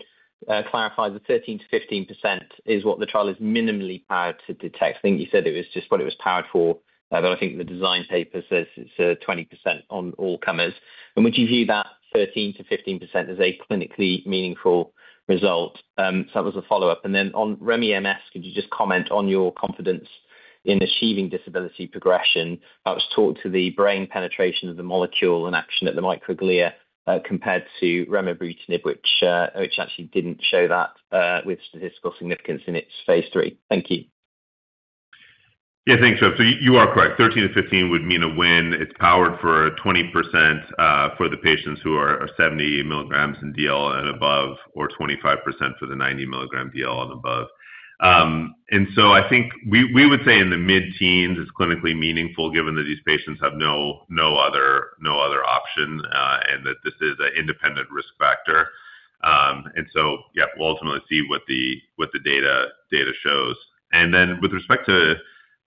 clarified the 13%-15% is what the trial is minimally powered to detect. I think you said it was just what it was powered for, but I think the design paper says it's 20% on all comers. Would you view that 13%-15% as a clinically meaningful result? That was a follow-up. On remibrutinib MS, could you just comment on your confidence in achieving disability progression that was taught to the brain penetration of the molecule and action at the microglia, compared to remibrutinib, which actually didn't show that with statistical significance in its phase III. Thank you. Thanks, Graham. You are correct, 13%-15% would mean a win. It's powered for 20% for the patients who are 70 mg in DL and above or 25% for the 90 mg DL and above. I think we would say in the mid-teens is clinically meaningful given that these patients have no other option, and that this is an independent risk factor. Yeah, we'll ultimately see what the data shows. With respect to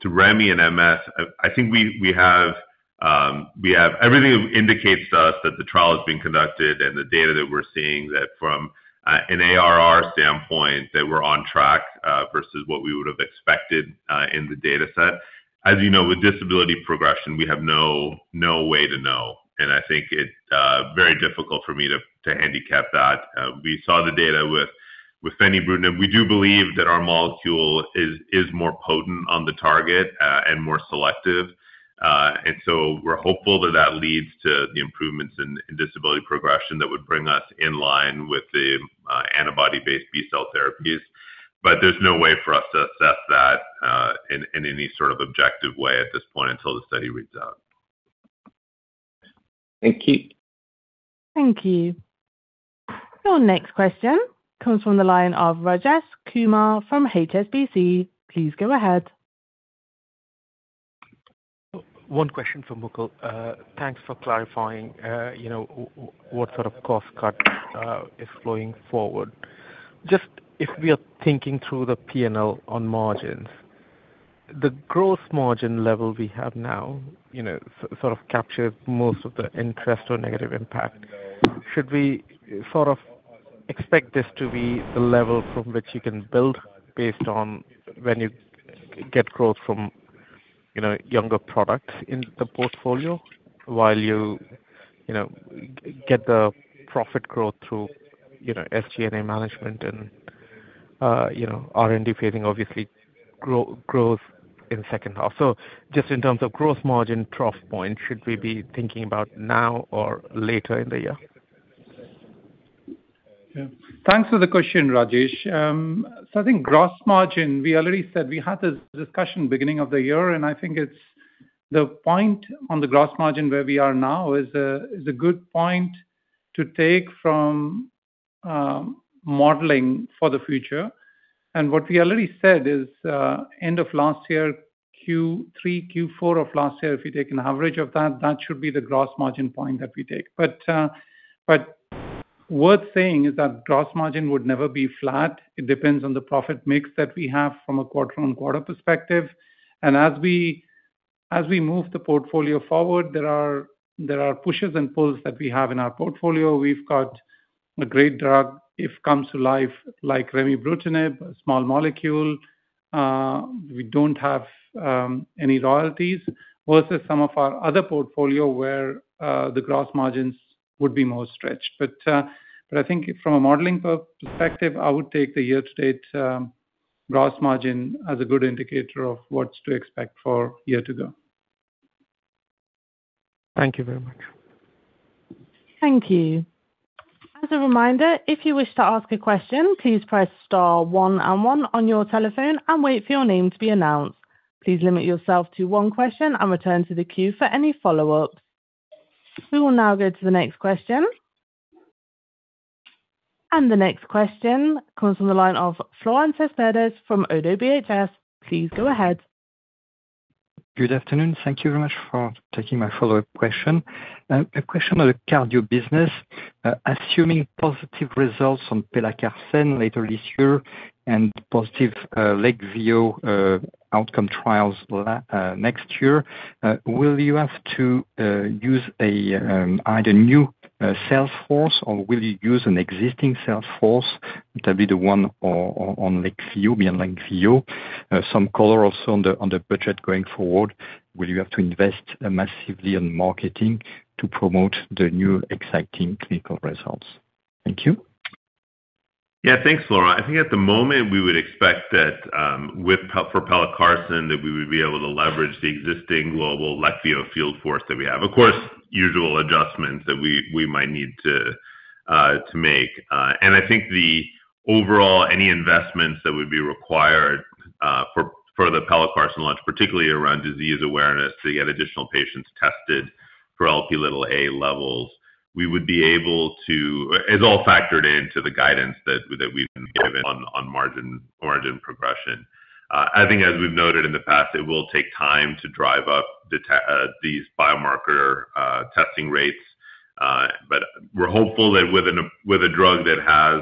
remibrutinib and MS, I think everything indicates to us that the trial is being conducted and the data that we're seeing that from an ARR standpoint, that we're on track versus what we would have expected in the data set. As you know, with disability progression, we have no way to know. I think it's very difficult for me to handicap that. We saw the data with fenebrutinib. We do believe that our molecule is more potent on the target and more selective. We're hopeful that that leads to the improvements in disability progression that would bring us in line with the antibody-based B-cell therapies. There's no way for us to assess that in any sort of objective way at this point until the study reads out. Thank you. Thank you. Your next question comes from the line of Rajesh Kumar from HSBC. Please go ahead. One question for Mukul. Thanks for clarifying what sort of cost cut is flowing forward. Just if we are thinking through the P&L on margins, the gross margin level we have now sort of captures most of the interest or negative impact. Should we sort of expect this to be the level from which you can build based on when you get growth from younger products in the portfolio while you get the profit growth through SG&A management and R&D phasing obviously growth in second half. Just in terms of gross margin trough point, should we be thinking about now or later in the year? Yeah. Thanks for the question, Rajesh. I think gross margin, we already said we had this discussion beginning of the year, I think it's the point on the gross margin where we are now is a good point to take from modeling for the future. What we already said is, end of last year, Q3, Q4 of last year, if you take an average of that should be the gross margin point that we take. Worth saying is that gross margin would never be flat. It depends on the profit mix that we have from a quarter-on-quarter perspective. As we move the portfolio forward, there are pushes and pulls that we have in our portfolio. We've got a great drug if comes to life like remibrutinib, a small molecule. We don't have any royalties versus some of our other portfolio where the gross margins would be more stretched. I think from a modeling perspective, I would take the year-to-date gross margin as a good indicator of what's to expect for year to go. Thank you very much. Thank you. As a reminder, if you wish to ask a question, please press star one and one on your telephone and wait for your name to be announced. Please limit yourself to one question and return to the queue for any follow-ups. We will now go to the next question. The next question comes from the line of Florent Cespedes from ODDO BHF. Please go ahead. Good afternoon. Thank you very much for taking my follow-up question. A question on the cardio business. Assuming positive results from pelacarsen later this year and positive Leqvio outcome trials next year, will you have to use either new sales force or will you use an existing sales force to be the one on Leqvio, beyond Leqvio? Some color also on the budget going forward. Will you have to invest massively in marketing to promote the new exciting clinical results? Thank you. Thanks, Florent. I think at the moment, we would expect that for pelacarsen, that we would be able to leverage the existing global Leqvio field force that we have. Of course, usual adjustments that we might need to make. I think the overall, any investments that would be required for the pelacarsen launch, particularly around disease awareness to get additional patients tested for Lp(a) levels, is all factored into the guidance that we've been given on margin progression. I think as we've noted in the past, it will take time to drive up these biomarker testing rates. We're hopeful that with a drug that has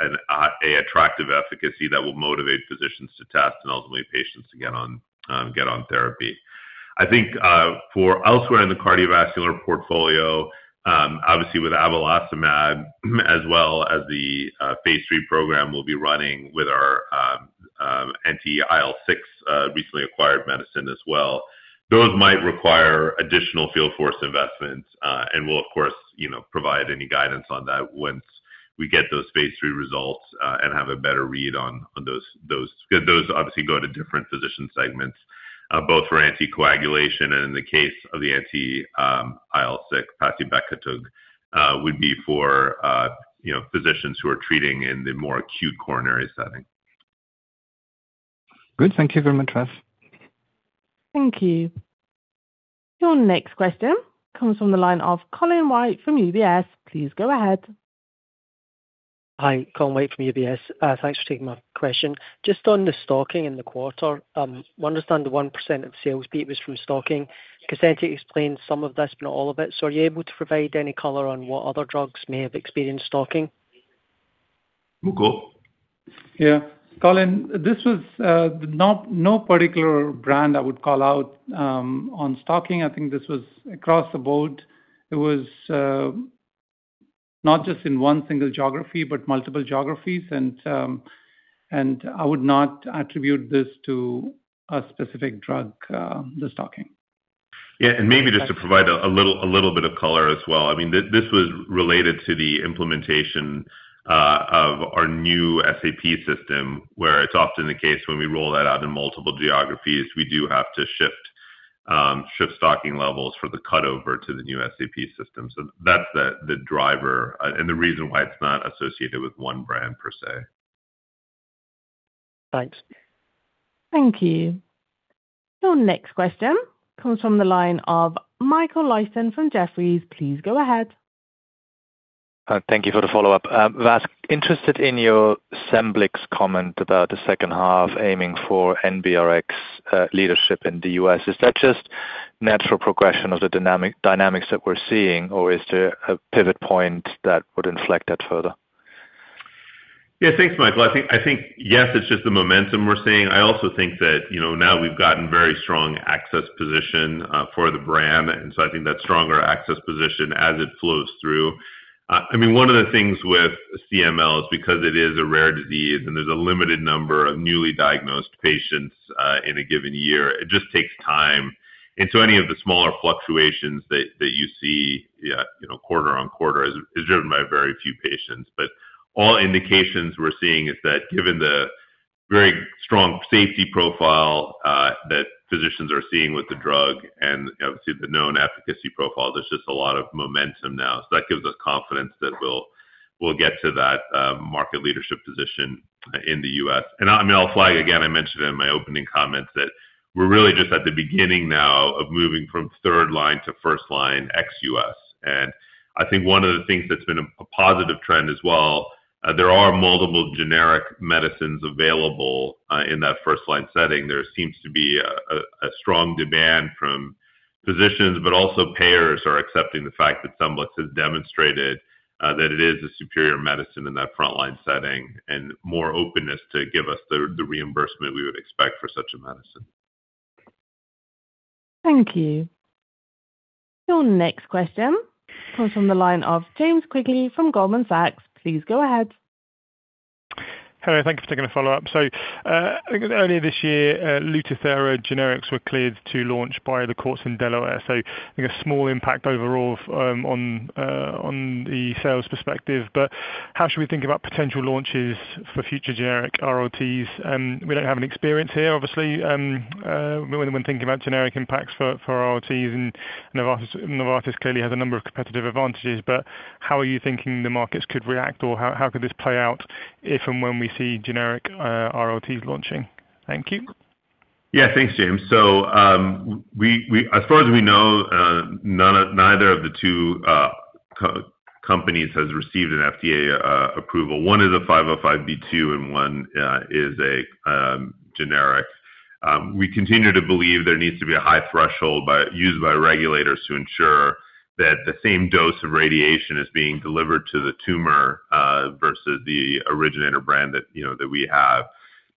an attractive efficacy that will motivate physicians to test and ultimately patients to get on therapy. I think for elsewhere in the cardiovascular portfolio, obviously with abelacimab, as well as the phase III program we'll be running with our anti-IL-6 recently acquired medicine as well, those might require additional field force investments. We'll of course provide any guidance on that once we get those phase III results and have a better read on those. Those obviously go to different physician segments, both for anticoagulation and in the case of the anti-IL-6, pacibekitug, would be for physicians who are treating in the more acute coronary setting. Good. Thank you very much, Vas. Thank you. Your next question comes from the line of Colin White from UBS. Please go ahead. Hi, Colin White from UBS. Thanks for taking my question. Just on the stocking in the quarter, we understand the 1% of sales beat was from stocking. Cosentyx explained some of this, but not all of it. Are you able to provide any color on what other drugs may have experienced stocking? Mukul. Yeah. Colin, this was no particular brand I would call out on stocking. I think this was across the board. It was not just in one single geography, but multiple geographies. I would not attribute this to a specific drug, the stocking. Yeah. Maybe just to provide a little bit of color as well. This was related to the implementation of our new SAP system, where it is often the case when we roll that out in multiple geographies, we do have to shift stocking levels for the cut over to the new SAP system. That is the driver and the reason why it is not associated with one brand, per se. Thanks. Thank you. Your next question comes from the line of Michael Leuchten from Jefferies. Please go ahead. Thank you for the follow-up. Vas, interested in your Scemblix comment about the second half aiming for NBRX leadership in the U.S. Is that just natural progression of the dynamics that we are seeing, or is there a pivot point that would inflect that further? Thanks, Michael. I think, yes, it's just the momentum we're seeing. I also think that now we've gotten very strong access position for the brand. I think that stronger access position as it flows through. One of the things with CML is because it is a rare disease and there's a limited number of newly diagnosed patients in a given year, it just takes time. Any of the smaller fluctuations that you see quarter on quarter is driven by very few patients. All indications we're seeing is that given the very strong safety profile that physicians are seeing with the drug and obviously the known efficacy profile, there's just a lot of momentum now. That gives us confidence that we'll get to that market leadership position in the U.S. I'll flag again, I mentioned in my opening comments that we're really just at the beginning now of moving from third line to first-line ex-U.S. I think one of the things that's been a positive trend as well, there are multiple generic medicines available in that first-line setting. There seems to be a strong demand from physicians, but also payers are accepting the fact that Scemblix has demonstrated that it is a superior medicine in that frontline setting and more openness to give us the reimbursement we would expect for such a medicine. Thank you. Your next question comes from the line of James Quigley from Goldman Sachs. Please go ahead. Hello. Thank you for taking a follow-up. I think earlier this year, Lutathera generics were cleared to launch by the courts in Delaware. I think a small impact overall on the sales perspective. How should we think about potential launches for future generic RLTs? We don't have any experience here, obviously, when thinking about generic impacts for RLTs and Novartis clearly has a number of competitive advantages. How are you thinking the markets could react, or how could this play out if and when we see generic RLTs launching? Thank you. Thanks, James. As far as we know, neither of the two companies has received an FDA approval. One is a 505(b)(2) and one is a generic. We continue to believe there needs to be a high threshold used by regulators to ensure that the same dose of radiation is being delivered to the tumor versus the originator brand that we have.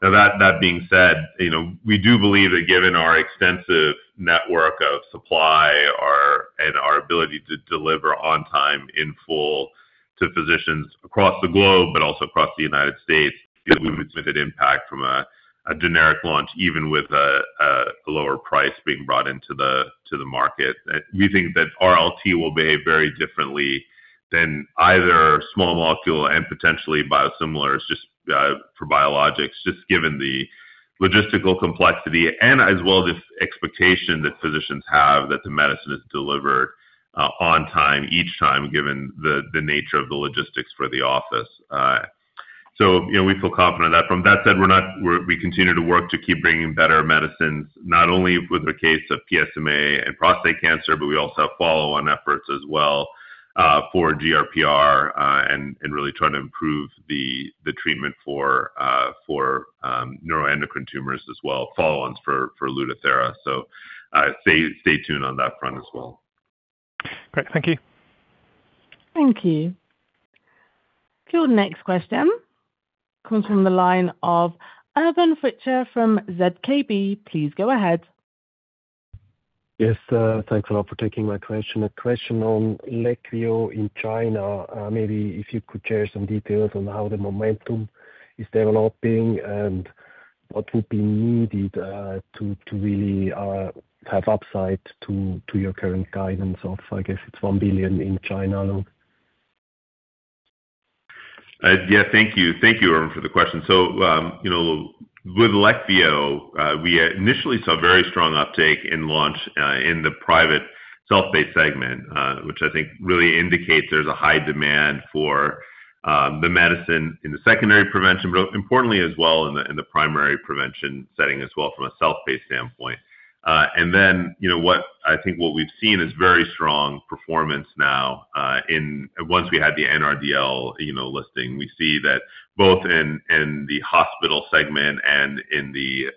That being said, we do believe that given our extensive network of supply and our ability to deliver on time in full to physicians across the globe, but also across the U.S., we've mitigated impact from a generic launch, even with a lower price being brought into the market. We think that RLT will behave very differently than either small molecule and potentially biosimilars just for biologics, just given the logistical complexity and as well the expectation that physicians have that the medicine is delivered on time each time, given the nature of the logistics for the office. We feel confident that from that said, we continue to work to keep bringing better medicines, not only with the case of PSMA and prostate cancer, but we also have follow-on efforts as well, for GRPR, and really trying to improve the treatment for neuroendocrine tumors as well, follow-ons for Lutathera. Stay tuned on that front as well. Great. Thank you. Thank you. Your next question comes from the line of Urban Fritsche from ZKB. Please go ahead. Yes. Thanks a lot for taking my question. A question on Leqvio in China. Maybe if you could share some details on how the momentum is developing and what would be needed to really have upside to your current guidance of, I guess, it's $1 billion in China. Thank you, Urban, for the question. With Leqvio, we initially saw very strong uptake in launch, in the private self-pay segment, which I think really indicates there's a high demand for the medicine in the secondary prevention, but importantly as well in the primary prevention setting as well from a self-pay standpoint. I think what we've seen is very strong performance now once we had the NRDL listing. We see that both in the hospital segment and in the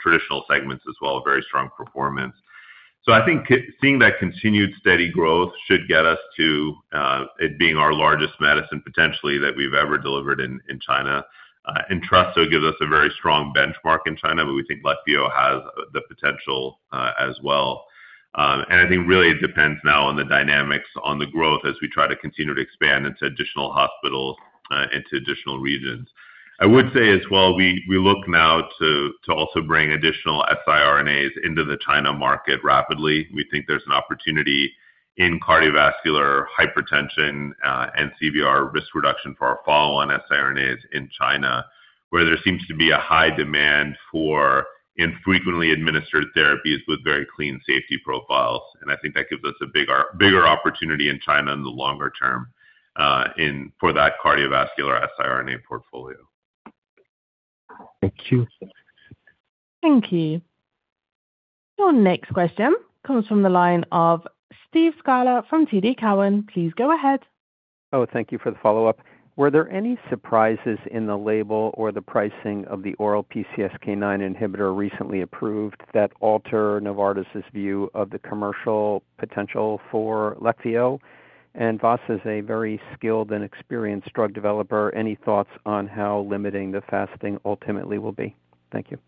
traditional segments as well, very strong performance. I think seeing that continued steady growth should get us to it being our largest medicine potentially that we've ever delivered in China. Entresto gives us a very strong benchmark in China, but we think Leqvio has the potential as well. I think really it depends now on the dynamics on the growth as we try to continue to expand into additional hospitals, into additional regions. I would say as well, we look now to also bring additional siRNAs into the China market rapidly. We think there's an opportunity in cardiovascular hypertension and CVR risk reduction for our follow-on siRNAs in China, where there seems to be a high demand for infrequently administered therapies with very clean safety profiles. I think that gives us a bigger opportunity in China in the longer term for that cardiovascular siRNA portfolio. Thank you. Thank you. Your next question comes from the line of Steve Scala from TD Cowen. Please go ahead. Thank you for the follow-up. Were there any surprises in the label or the pricing of the oral PCSK9 inhibitor recently approved that alter Novartis's view of the commercial potential for Leqvio? Vas is a very skilled and experienced drug developer. Any thoughts on how limiting the fasting ultimately will be? Thank you.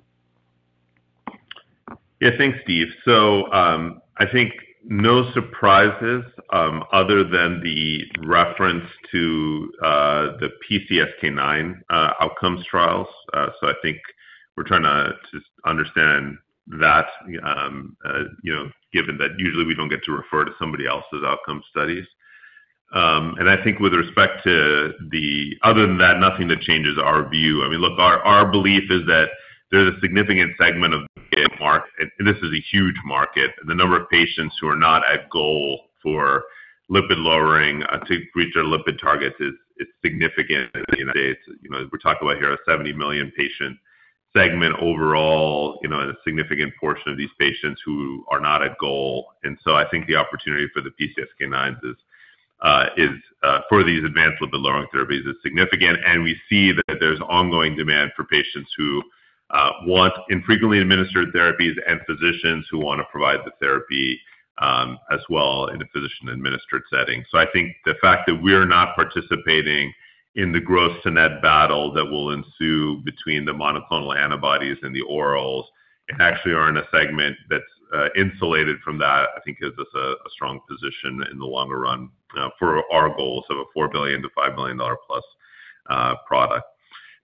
Thanks, Steve. I think no surprises other than the reference to the PCSK9 outcomes trials. I think we're trying to just understand that given that usually we don't get to refer to somebody else's outcome studies. I think with respect to the other than that, nothing that changes our view. I mean, look, our belief is that there's a significant segment of the market, and this is a huge market, the number of patients who are not at goal for lipid lowering to reach their lipid targets is significant in the U.S. As we talk about here, a 70 million-patient segment overall, a significant portion of these patients who are not at goal. I think the opportunity for the PCSK9s, for these advanced lipid-lowering therapies, is significant. We see that there's ongoing demand for patients who want infrequently administered therapies and physicians who want to provide the therapy, as well in a physician-administered setting. I think the fact that we are not participating in the gross-to-net battle that will ensue between the monoclonal antibodies and the orals and actually are in a segment that's insulated from that, I think gives us a strong position in the longer run for our goals of a $4 billion-$5 billion-plus product.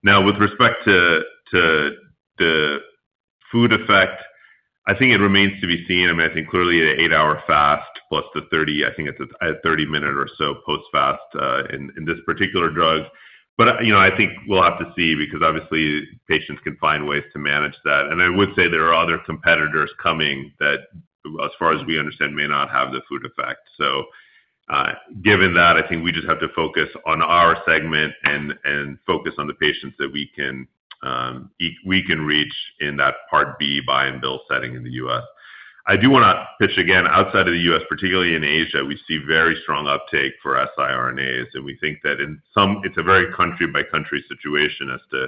Now, with respect to the food effect, I think it remains to be seen. I think clearly an 8-hour fast plus the 30, I think it's a 30-minute or so post-fast, in this particular drug. I think we'll have to see because obviously patients can find ways to manage that. I would say there are other competitors coming that, as far as we understand, may not have the food effect. Given that, I think we just have to focus on our segment and focus on the patients that we can reach in that Part B buy and bill setting in the U.S. I do want to pitch again, outside of the U.S., particularly in Asia, we see very strong uptake for siRNAs. We think that it's a very country-by-country situation as to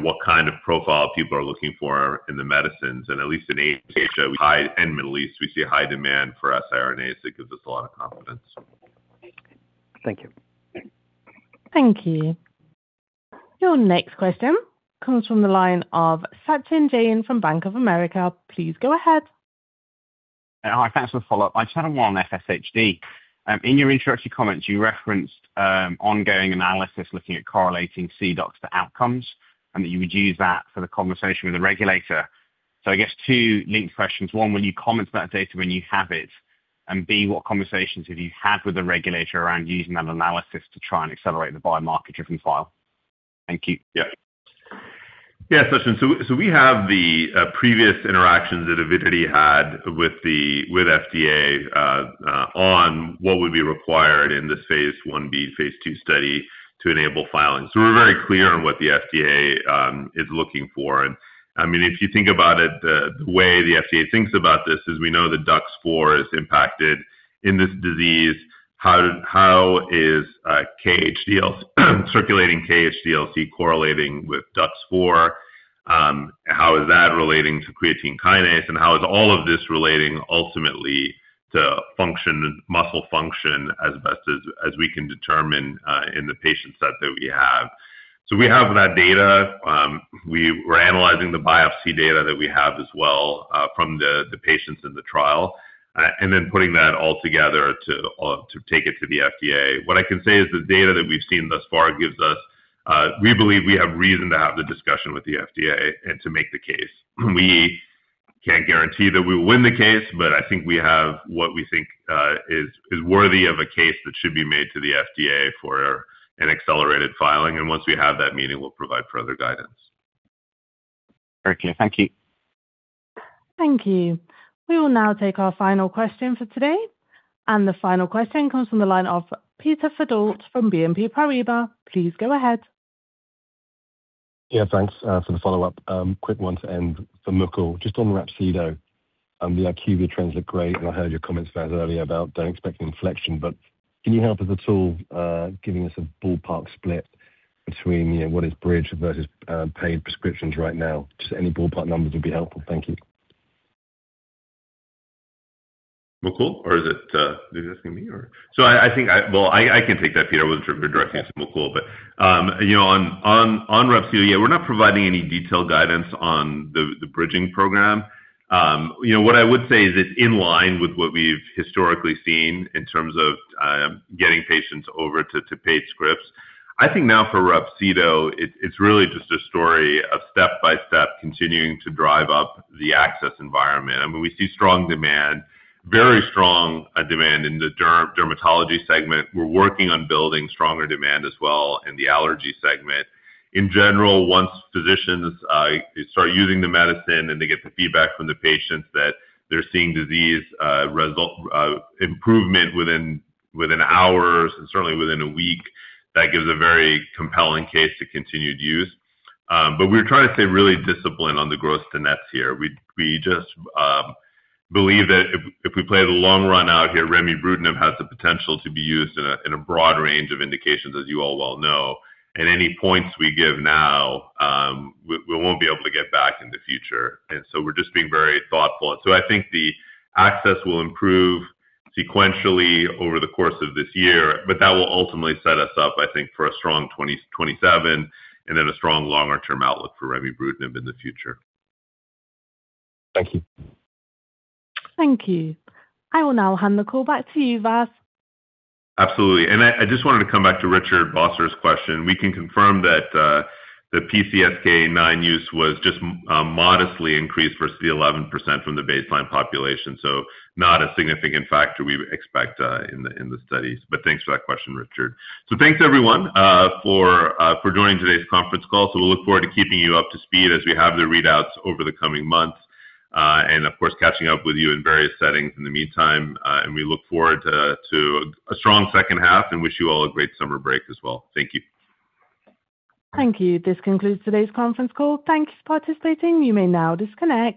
what kind of profile people are looking for in the medicines. At least in Asia and Middle East, we see a high demand for siRNAs that gives us a lot of confidence. Thank you. Thank you. Your next question comes from the line of Sachin Jain from Bank of America. Please go ahead. Hi, thanks for the follow-up. I just had one on FSHD. In your introductory comments, you referenced ongoing analysis looking at correlating cDUX for outcomes and that you would use that for the conversation with the regulator. I guess two linked questions. One, will you comment about data when you have it? B, what conversations have you had with the regulator around using that analysis to try and accelerate the biomarker driven file? Yes, Sachin, we have the previous interactions that Avidity had with FDA on what would be required in this phase I-B/II study to enable filing. We are very clear on what the FDA is looking for. If you think about it, the way the FDA thinks about this is we know the DUX4 is impacted in this disease, how is circulating KHDC1L correlating with DUX4? How is that relating to creatine kinase? How is all of this relating ultimately to muscle function as best as we can determine in the patient set that we have? We have that data. We are analyzing the biopsy data that we have as well, from the patients in the trial, and then putting that all together to take it to the FDA. What I can say is the data that we've seen thus far gives us, we believe we have reason to have the discussion with the FDA and to make the case. We can't guarantee that we will win the case, I think we have what we think is worthy of a case that should be made to the FDA for an accelerated filing. Once we have that meeting, we'll provide further guidance. Very clear. Thank you. Thank you. We will now take our final question for today, the final question comes from the line of Peter Verdult from BNP Paribas. Please go ahead. Yeah, thanks for the follow-up. Quick one to end for Mukul Mehta, just on Rhapsido. The IQVIA trends look great, and I heard your comments, Vas Narasimhan, earlier about don't expect an inflection, but can you help us at all, giving us a ballpark split between what is bridge versus paid prescriptions right now? Just any ballpark numbers would be helpful. Thank you. Mukul? Or is it just me? Well, I can take that, Peter. I was directing it to Mukul, but on Rhapsido, yeah, we're not providing any detailed guidance on the bridging program. What I would say is it's in line with what we've historically seen in terms of getting patients over to paid scripts. I think now for Rhapsido, it's really just a story of step by step continuing to drive up the access environment. I mean, we see strong demand, very strong demand in the dermatology segment. We're working on building stronger demand as well in the allergy segment. In general, once physicians start using the medicine and they get the feedback from the patients that they're seeing disease improvement within hours and certainly within a week, that gives a very compelling case to continued use. We're trying to stay really disciplined on the gross to nets here. We just believe that if we play the long run out here, remibrutinib has the potential to be used in a broad range of indications, as you all well know. Any points we give now, we won't be able to get back in the future. We're just being very thoughtful. I think the access will improve sequentially over the course of this year, that will ultimately set us up, I think, for a strong 2027 and then a strong longer-term outlook for remibrutinib in the future. Thank you. Thank you. I will now hand the call back to you, Vas. Absolutely. I just wanted to come back to Richard Vosser's question. We can confirm that the PCSK9 use was just modestly increased versus the 11% from the baseline population. Not a significant factor we expect in the studies. Thanks for that question, Richard. Thanks, everyone, for joining today's conference call. We'll look forward to keeping you up to speed as we have the readouts over the coming months. Of course, catching up with you in various settings in the meantime, and we look forward to a strong second half and wish you all a great summer break as well. Thank you. Thank you. This concludes today's conference call. Thanks for participating. You may now disconnect.